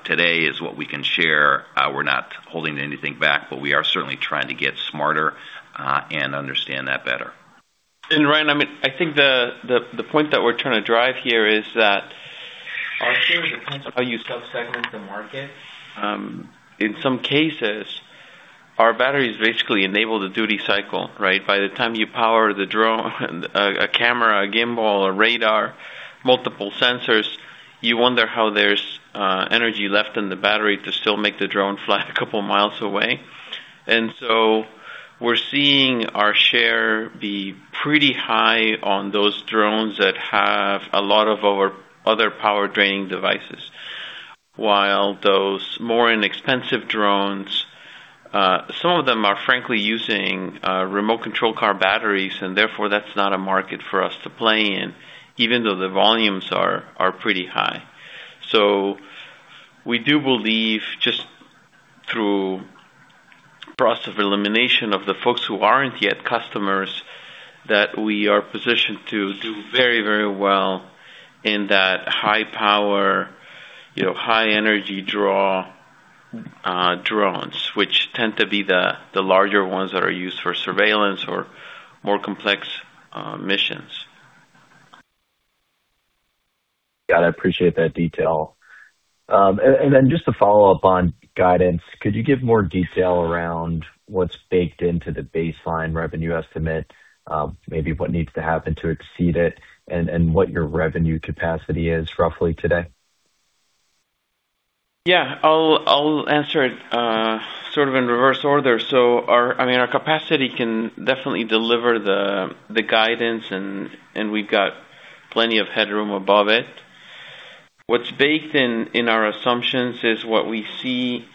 Speaker 2: today is what we can share. We're not holding anything back, we are certainly trying to get smarter, and understand that better.
Speaker 3: Ryan, I mean, I think the point that we're trying to drive here is that our share depends on how you sub-segment the market. In some cases, our batteries basically enable the duty cycle, right? By the time you power the drone, a camera, a gimbal, a radar, multiple sensors, you wonder how there's energy left in the battery to still make the drone fly a couple miles away. So we're seeing our share be pretty high on those drones that have a lot of our other power-draining devices. While those more inexpensive drones, some of them are frankly using remote control car batteries, and therefore that's not a market for us to play in, even though the volumes are pretty high. We do believe just through process of elimination of the folks who aren't yet customers, that we are positioned to do very, very well in that high power, you know, high energy draw, drones, which tend to be the larger ones that are used for surveillance or more complex missions.
Speaker 8: Got it. I appreciate that detail. Then just to follow up on guidance, could you give more detail around what's baked into the baseline revenue estimate, maybe what needs to happen to exceed it and what your revenue capacity is roughly today?
Speaker 3: Yeah. I'll answer it sort of in reverse order. I mean, our capacity can definitely deliver the guidance and we've got plenty of headroom above it. What's baked in our assumptions is what we see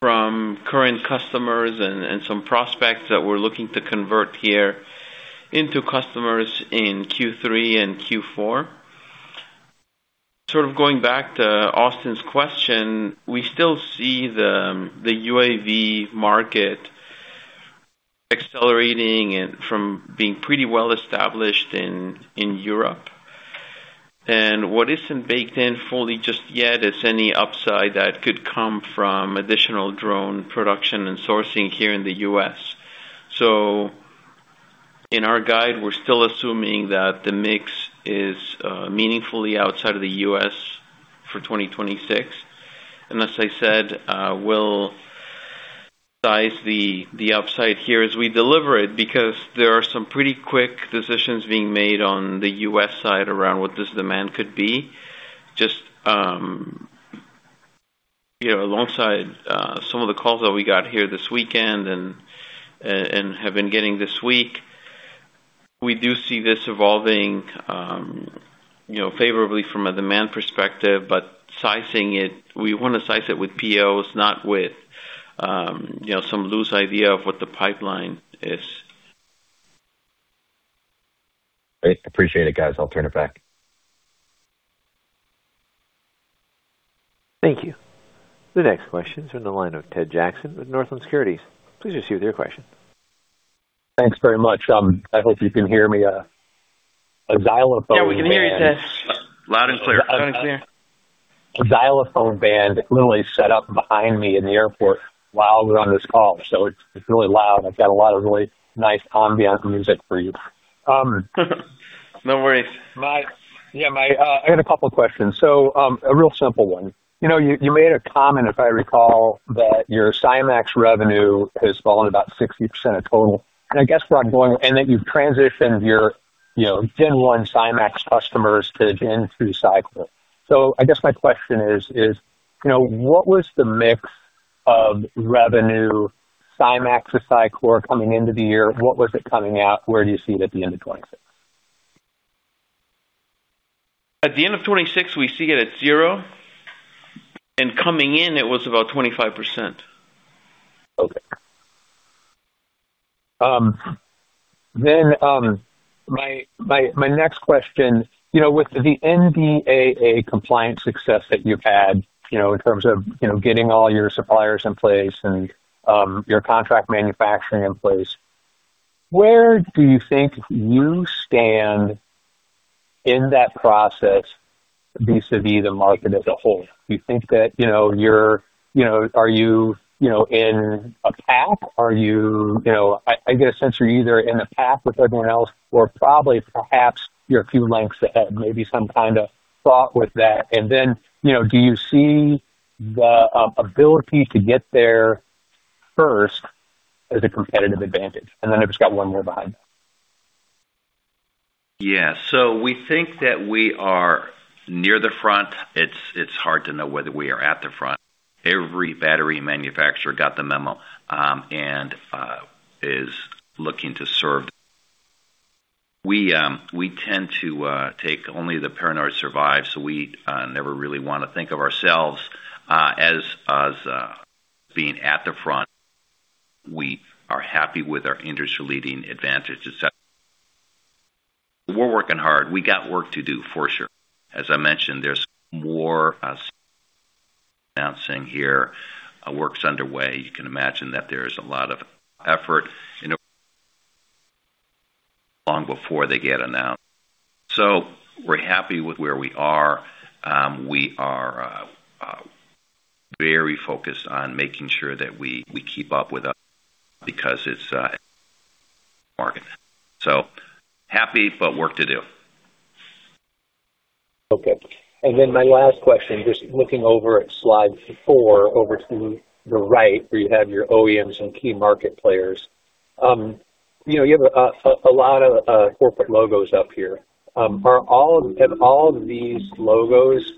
Speaker 3: from current customers and some prospects that we're looking to convert here into customers in Q3 and Q4. Sort of going back to Austin's question, we still see the UAV market accelerating and from being pretty well established in Europe. What isn't baked in fully just yet is any upside that could come from additional drone production and sourcing here in the U.S. In our guide, we're still assuming that the mix is meaningfully outside of the U.S. for 2026. As I said, we'll size the upside here as we deliver it because there are some pretty quick decisions being made on the U.S. side around what this demand could be. Just, you know, alongside some of the calls that we got here this weekend and have been getting this week, we do see this evolving, you know, favorably from a demand perspective, but sizing it, we wanna size it with POs, not with, you know, some loose idea of what the pipeline is.
Speaker 8: Great. Appreciate it, guys. I'll turn it back.
Speaker 1: Thank you. The next question is from the line of Ted Jackson with Northland Securities. Please proceed with your question.
Speaker 9: Thanks very much. I hope you can hear me. A xylophone band-
Speaker 3: Yeah, we can hear you, Ted.
Speaker 2: Loud and clear.
Speaker 3: Loud and clear.
Speaker 9: A xylophone band literally set up behind me in the airport while we're on this call. It's really loud. I've got a lot of really nice ambient music for you.
Speaker 3: No worries.
Speaker 9: I had a couple questions. A real simple one. You know, you made a comment, if I recall, that your SiMaxx revenue has fallen about 60% of total. I guess where I'm going, and that you've transitioned your, you know, gen one SiMaxx customers to Gen 2 SiCore. I guess my question is, you know, what was the mix of revenue SiMaxx to SiCore coming into the year? What was it coming out? Where do you see it at the end of 2026?
Speaker 3: At the end of 26, we see it at zero, and coming in, it was about 25%.
Speaker 9: Okay. Then, my next question, you know, with the NDAA compliance success that you've had, you know, in terms of, you know, getting all your suppliers in place and your contract manufacturing in place, where do you think you stand in that process vis-à-vis the market as a whole? Do you think that, you know, are you know, in a path, you know, I get a sense you're either in a path with everyone else or probably perhaps you're a few lengths ahead, maybe some kind of thought with that? Do you see the ability to get there first as a competitive advantage? I've just got one more behind that.
Speaker 2: Yeah. We think that we are near the front. It's hard to know whether we are at the front. Every battery manufacturer got the memo, and is looking to serve. We tend to take only the paranoid survive, so we never really wanna think of ourselves as being at the front. We are happy with our industry-leading advantage to set. We're working hard. We got work to do for sure. As I mentioned, there's more announcing here, work's underway. You can imagine that there is a lot of effort, you know, long before they get announced. We're happy with where we are. We are very focused on making sure that we keep up with us because it's market. Happy, but work to do.
Speaker 9: Okay. My last question, just looking over at slide four, over to the right, where you have your OEMs and key market players. You know, you have a lot of corporate logos up here. Have all of these logos,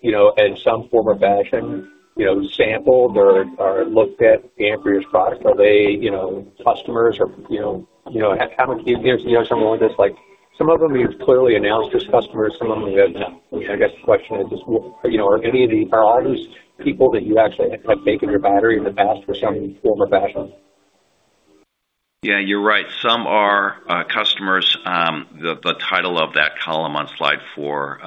Speaker 9: you know, in some form or fashion, you know, sampled or looked at Amprius product? Are they, you know, customers or, you know, how many? Can you give us more of this? Like, some of them you've clearly announced as customers, some of them you have not. I guess the question is just, you know, are any of these, are all these people that you actually have taken your battery in the past or some form or fashion?
Speaker 2: Yeah, you're right. Some are customers. The title of that column on slide four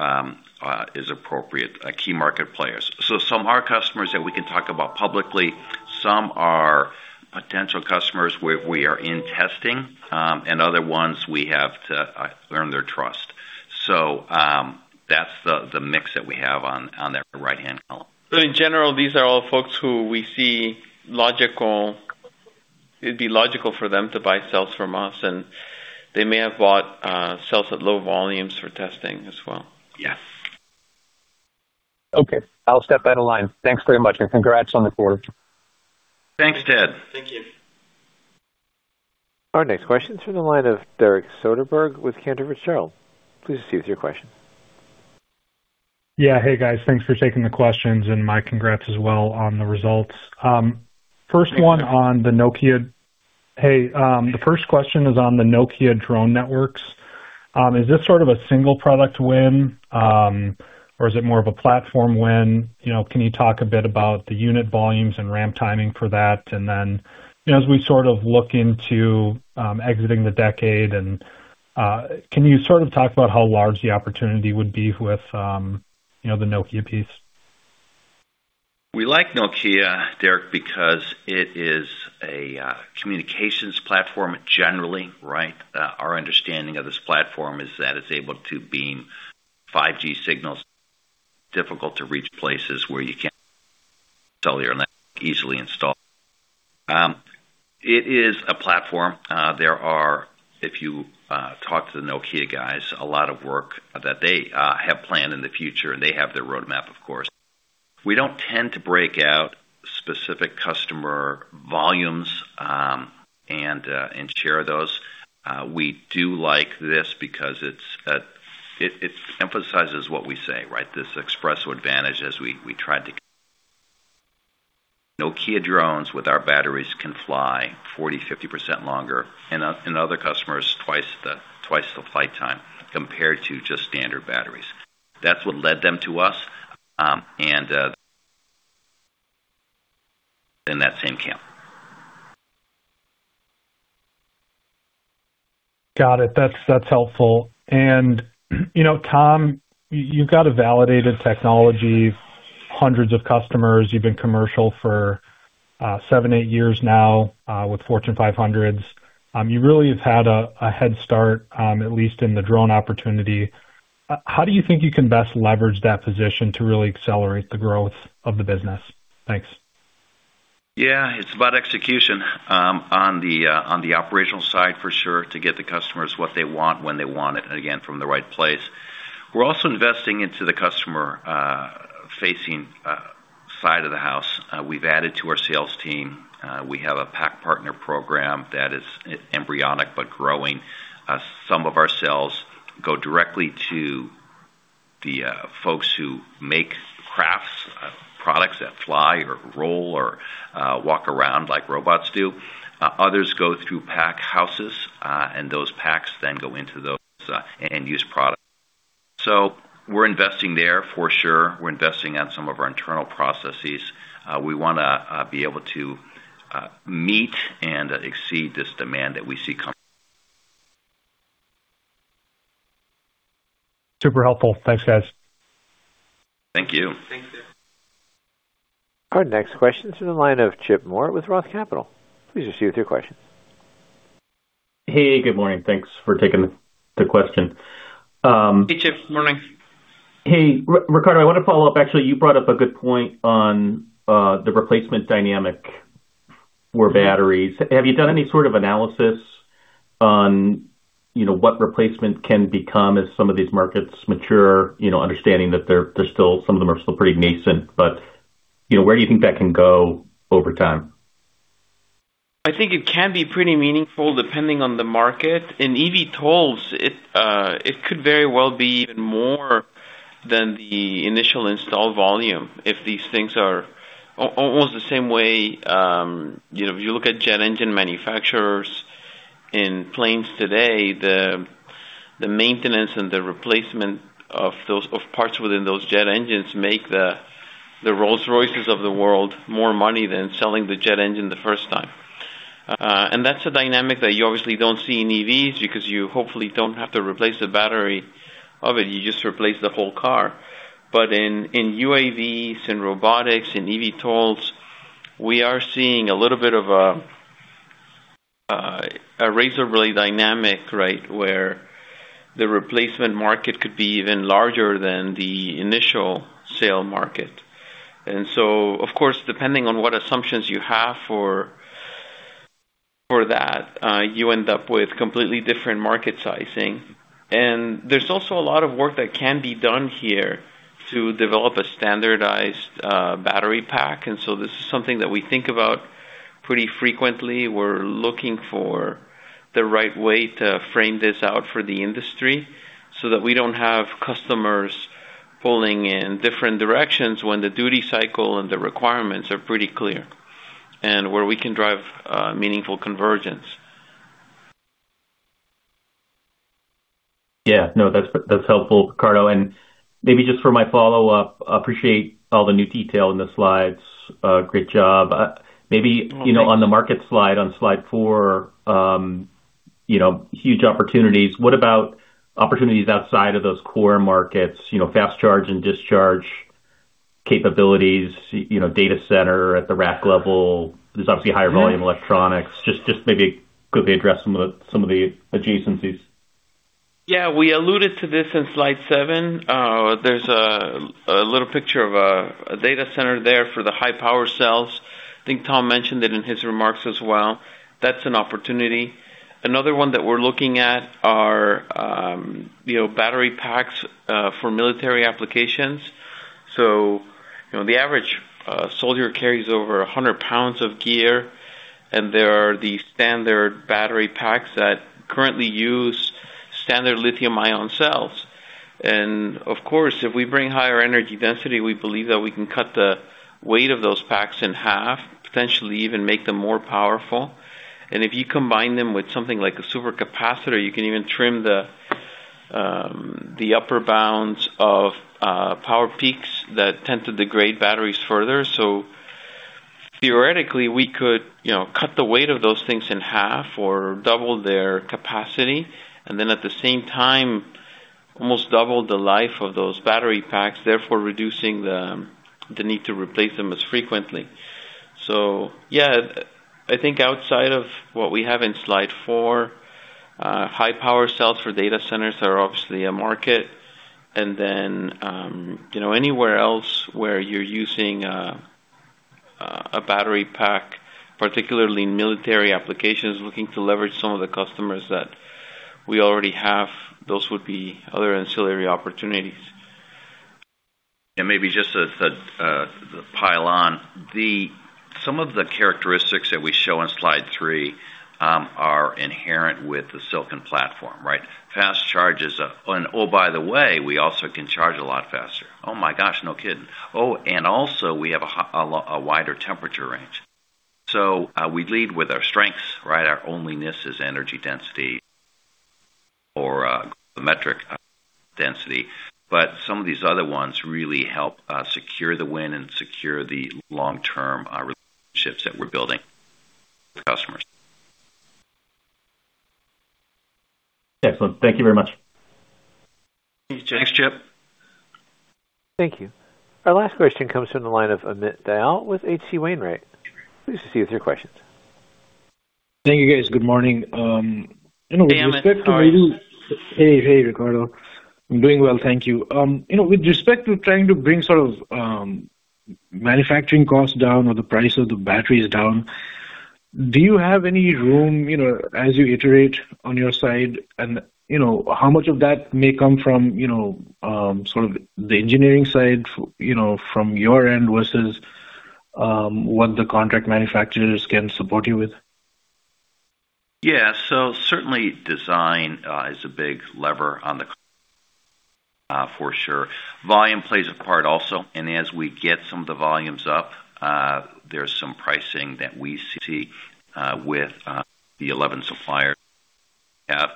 Speaker 2: is appropriate, key market players. Some are customers that we can talk about publicly. Some are potential customers where we are in testing, and other ones we have to earn their trust. That's the mix that we have on the right-hand column.
Speaker 3: In general, these are all folks who we see. It'd be logical for them to buy cells from us, and they may have bought cells at low volumes for testing as well.
Speaker 2: Yes.
Speaker 9: Okay, I'll step out of line. Thanks very much, and congrats on the quarter.
Speaker 2: Thanks, Ted.
Speaker 3: Thank you.
Speaker 1: Our next question is from the line of Derek Soderberg with Cantor Fitzgerald. Please proceed with your question.
Speaker 10: Yeah. Hey, guys. Thanks for taking the questions, and my congrats as well on the results.
Speaker 3: Thanks.
Speaker 10: The first question is on the Nokia Drone Networks. Is this sort of a single product win, or is it more of a platform win? You know, can you talk a bit about the unit volumes and ramp timing for that? As we sort of look into exiting the decade, can you sort of talk about how large the opportunity would be with, you know, the Nokia piece?
Speaker 2: We like Nokia, Derek, because it is a communications platform generally, right? Our understanding of this platform is that it's able to beam 5G signals difficult to reach places where you can't sell your network easily install. It is a platform. There are, if you talk to the Nokia guys, a lot of work that they have planned in the future, and they have their roadmap, of course. We don't tend to break out specific customer volumes, and share those. We do like this because it emphasizes what we say, right? This espresso advantage as we try to... Nokia drones with our batteries can fly 40%, 50% longer, and other customers twice the flight time compared to just standard batteries. That's what led them to us, and in that same camp.
Speaker 10: Got it. That's helpful. You know, Tom, you've got a validated technology, hundreds of customers. You've been commercial for seven, eight years now, with Fortune 500s. You really have had a head start, at least in the drone opportunity. How do you think you can best leverage that position to really accelerate the growth of the business? Thanks.
Speaker 2: Yeah, it's about execution on the operational side for sure to get the customers what they want when they want it, and again, from the right place. We're also investing into the customer facing side of the house. We've added to our sales team. We have a pack partner program that is embryonic but growing. Some of our sales go directly to the folks who make crafts, products that fly or roll or walk around like robots do. Others go through pack houses, and those packs then go into those end-use products. We're investing there for sure. We're investing on some of our internal processes. We wanna be able to meet and exceed this demand that we see coming.
Speaker 10: Super helpful. Thanks, guys.
Speaker 2: Thank you.
Speaker 3: Thanks, guys.
Speaker 1: Our next question is in the line of Chip Moore with ROTH Capital. Please proceed with your question.
Speaker 11: Hey, good morning. Thanks for taking the question.
Speaker 3: Hey, Chip. Morning.
Speaker 11: Hey, Ricardo, I wanna follow up. Actually, you brought up a good point on the replacement dynamic for batteries. Have you done any sort of analysis on, you know, what replacement can become as some of these markets mature? You know, understanding that some of them are still pretty nascent, but, you know, where do you think that can go over time?
Speaker 3: I think it can be pretty meaningful depending on the market. In EV tools, it could very well be even more than the initial install volume if these things are almost the same way, you know, if you look at jet engine manufacturers in planes today, the maintenance and the replacement of parts within those jet engines make the Rolls-Royces of the world more money than selling the jet engine the first time. That's a dynamic that you obviously don't see in EVs because you hopefully don't have to replace the battery of it, you just replace the whole car. In UAVs, in robotics, in EV tools, we are seeing a little bit of a razor blade dynamic, right, where the replacement market could be even larger than the initial sale market. Of course, depending on what assumptions you have for that, you end up with completely different market sizing. There's also a lot of work that can be done here to develop a standardized battery pack. This is something that we think about pretty frequently. We're looking for the right way to frame this out for the industry so that we don't have customers pulling in different directions when the duty cycle and the requirements are pretty clear and where we can drive meaningful convergence.
Speaker 11: Yeah. No, that's helpful, Ricardo. Maybe just for my follow-up, appreciate all the new detail in the slides. Great job. Maybe, you know, on the market slide, on slide four, you know, huge opportunities. What about opportunities outside of those core markets, you know, fast charge and discharge capabilities, you know, data center at the rack level? There's obviously higher volume electronics. Just maybe quickly address some of the adjacencies.
Speaker 3: Yeah. We alluded to this in slide seven. There's a little picture of a data center there for the high-power cells. I think Tom mentioned it in his remarks as well. That's an opportunity. Another one that we're looking at are, you know, battery packs for military applications. You know, the average soldier carries over 100 lbs of gear, and there are the standard battery packs that currently use standard lithium-ion cells. Of course, if we bring higher energy density, we believe that we can cut the weight of those packs in half, potentially even make them more powerful. If you combine them with something like a supercapacitor, you can even trim the upper bounds of power peaks that tend to degrade batteries further. Theoretically, we could, you know, cut the weight of those things in half or double their capacity and then at the same time almost double the life of those battery packs, therefore reducing the need to replace them as frequently. Yeah, I think outside of what we have in slide four, high power cells for data centers are obviously a market. Then, you know, anywhere else where you're using a battery pack, particularly in military applications, looking to leverage some of the customers that we already have, those would be other ancillary opportunities.
Speaker 2: Maybe just to pile on. Some of the characteristics that we show in slide three are inherent with the silicon platform, right? Fast charges. Oh, by the way, we also can charge a lot faster. Oh, my gosh, no kidding. Oh, also we have a wider temperature range. We lead with our strengths, right? Our onlyness is energy density or the metric density. Some of these other ones really help secure the win and secure the long-term relationships that we're building with customers.
Speaker 11: Excellent. Thank you very much.
Speaker 3: Thanks, Chip.
Speaker 1: Thank you. Our last question comes from the line of Amit Dayal with H.C. Wainwright. Please proceed with your questions.
Speaker 12: Thank you, guys. Good morning. You know.
Speaker 3: Amit. How are you?
Speaker 12: Hey. Hey, Ricardo. I'm doing well, thank you. You know, with respect to trying to bring sort of manufacturing costs down or the price of the batteries down, do you have any room, you know, as you iterate on your side? You know, how much of that may come from, you know, sort of the engineering side, you know, from your end versus what the contract manufacturers can support you with?
Speaker 2: Yeah. Certainly design is a big lever on the, for sure. Volume plays a part also. As we get some of the volumes up, there's some pricing that we see with the 11 suppliers we have.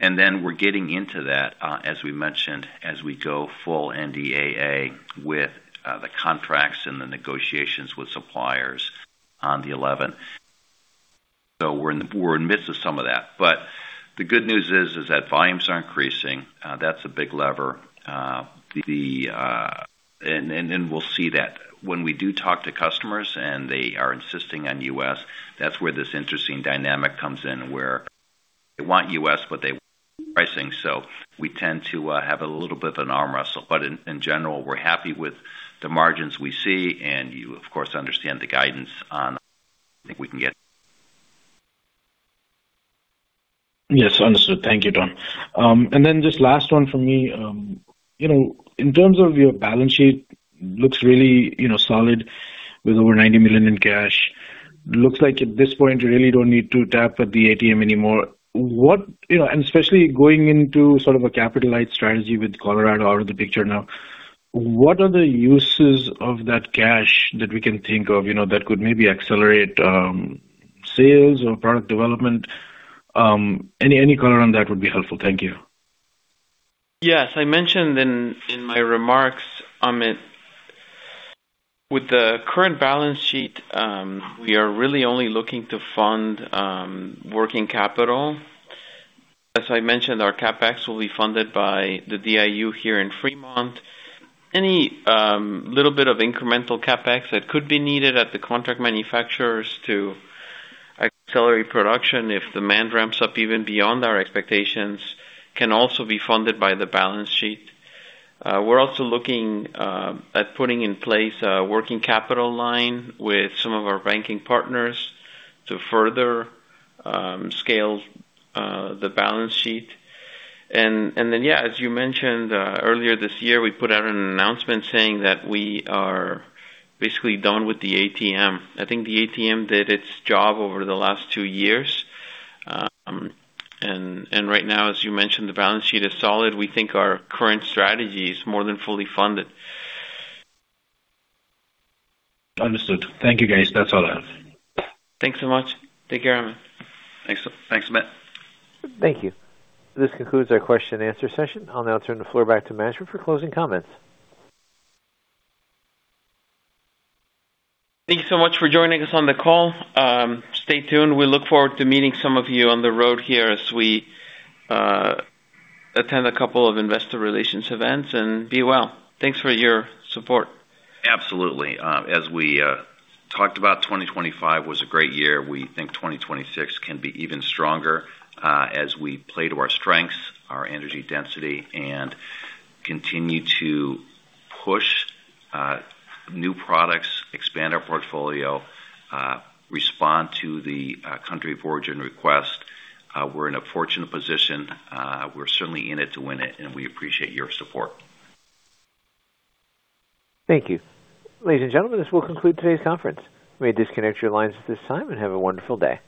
Speaker 2: Then we're getting into that, as we mentioned, as we go full NDAA with the contracts and the negotiations with suppliers on the 11. We're in midst of some of that. The good news is that volumes are increasing. That's a big lever. We'll see that when we do talk to customers and they are insisting on U.S., that's where this interesting dynamic comes in, where they want U.S. but they want pricing. We tend to have a little bit of an arm wrestle. In general, we're happy with the margins we see and you of course understand the guidance on I think we can get.
Speaker 12: Yes, understood. Thank you, Tom. Then just last one from me. You know, in terms of your balance sheet, looks really, you know, solid with over $90 million in cash. Looks like at this point you really don't need to tap at the ATM anymore. You know, and especially going into sort of a capital light strategy with Colorado out of the picture now, what are the uses of that cash that we can think of, you know, that could maybe accelerate sales or product development? Any, any color on that would be helpful. Thank you.
Speaker 3: Yes. I mentioned in my remarks, Amit, with the current balance sheet, we are really only looking to fund working capital. As I mentioned, our CapEx will be funded by the DIU here in Fremont. Any little bit of incremental CapEx that could be needed at the contract manufacturers to accelerate production if demand ramps up even beyond our expectations can also be funded by the balance sheet. We're also looking at putting in place a working capital line with some of our banking partners to further scale the balance sheet. Then, yeah, as you mentioned, earlier this year, we put out an announcement saying that we are basically done with the ATM. I think the ATM did its job over the last two years. Right now, as you mentioned, the balance sheet is solid. We think our current strategy is more than fully funded.
Speaker 12: Understood. Thank you, guys. That's all I have.
Speaker 3: Thanks so much. Take care, Amit.
Speaker 2: Thanks. Thanks, Amit.
Speaker 1: Thank you. This concludes our question and answer session. I'll now turn the floor back to Ricardo for closing comments.
Speaker 3: Thank you so much for joining us on the call. Stay tuned. We look forward to meeting some of you on the road here as we attend a couple of investor relations events and be well. Thanks for your support.
Speaker 2: Absolutely. As we talked about, 2025 was a great year. We think 2026 can be even stronger, as we play to our strengths, our energy density, and continue to push new products, expand our portfolio, respond to the country of origin request. We're in a fortunate position. We're certainly in it to win it, and we appreciate your support.
Speaker 1: Thank you. Ladies and gentlemen, this will conclude today's conference. You may disconnect your lines at this time and have a wonderful day.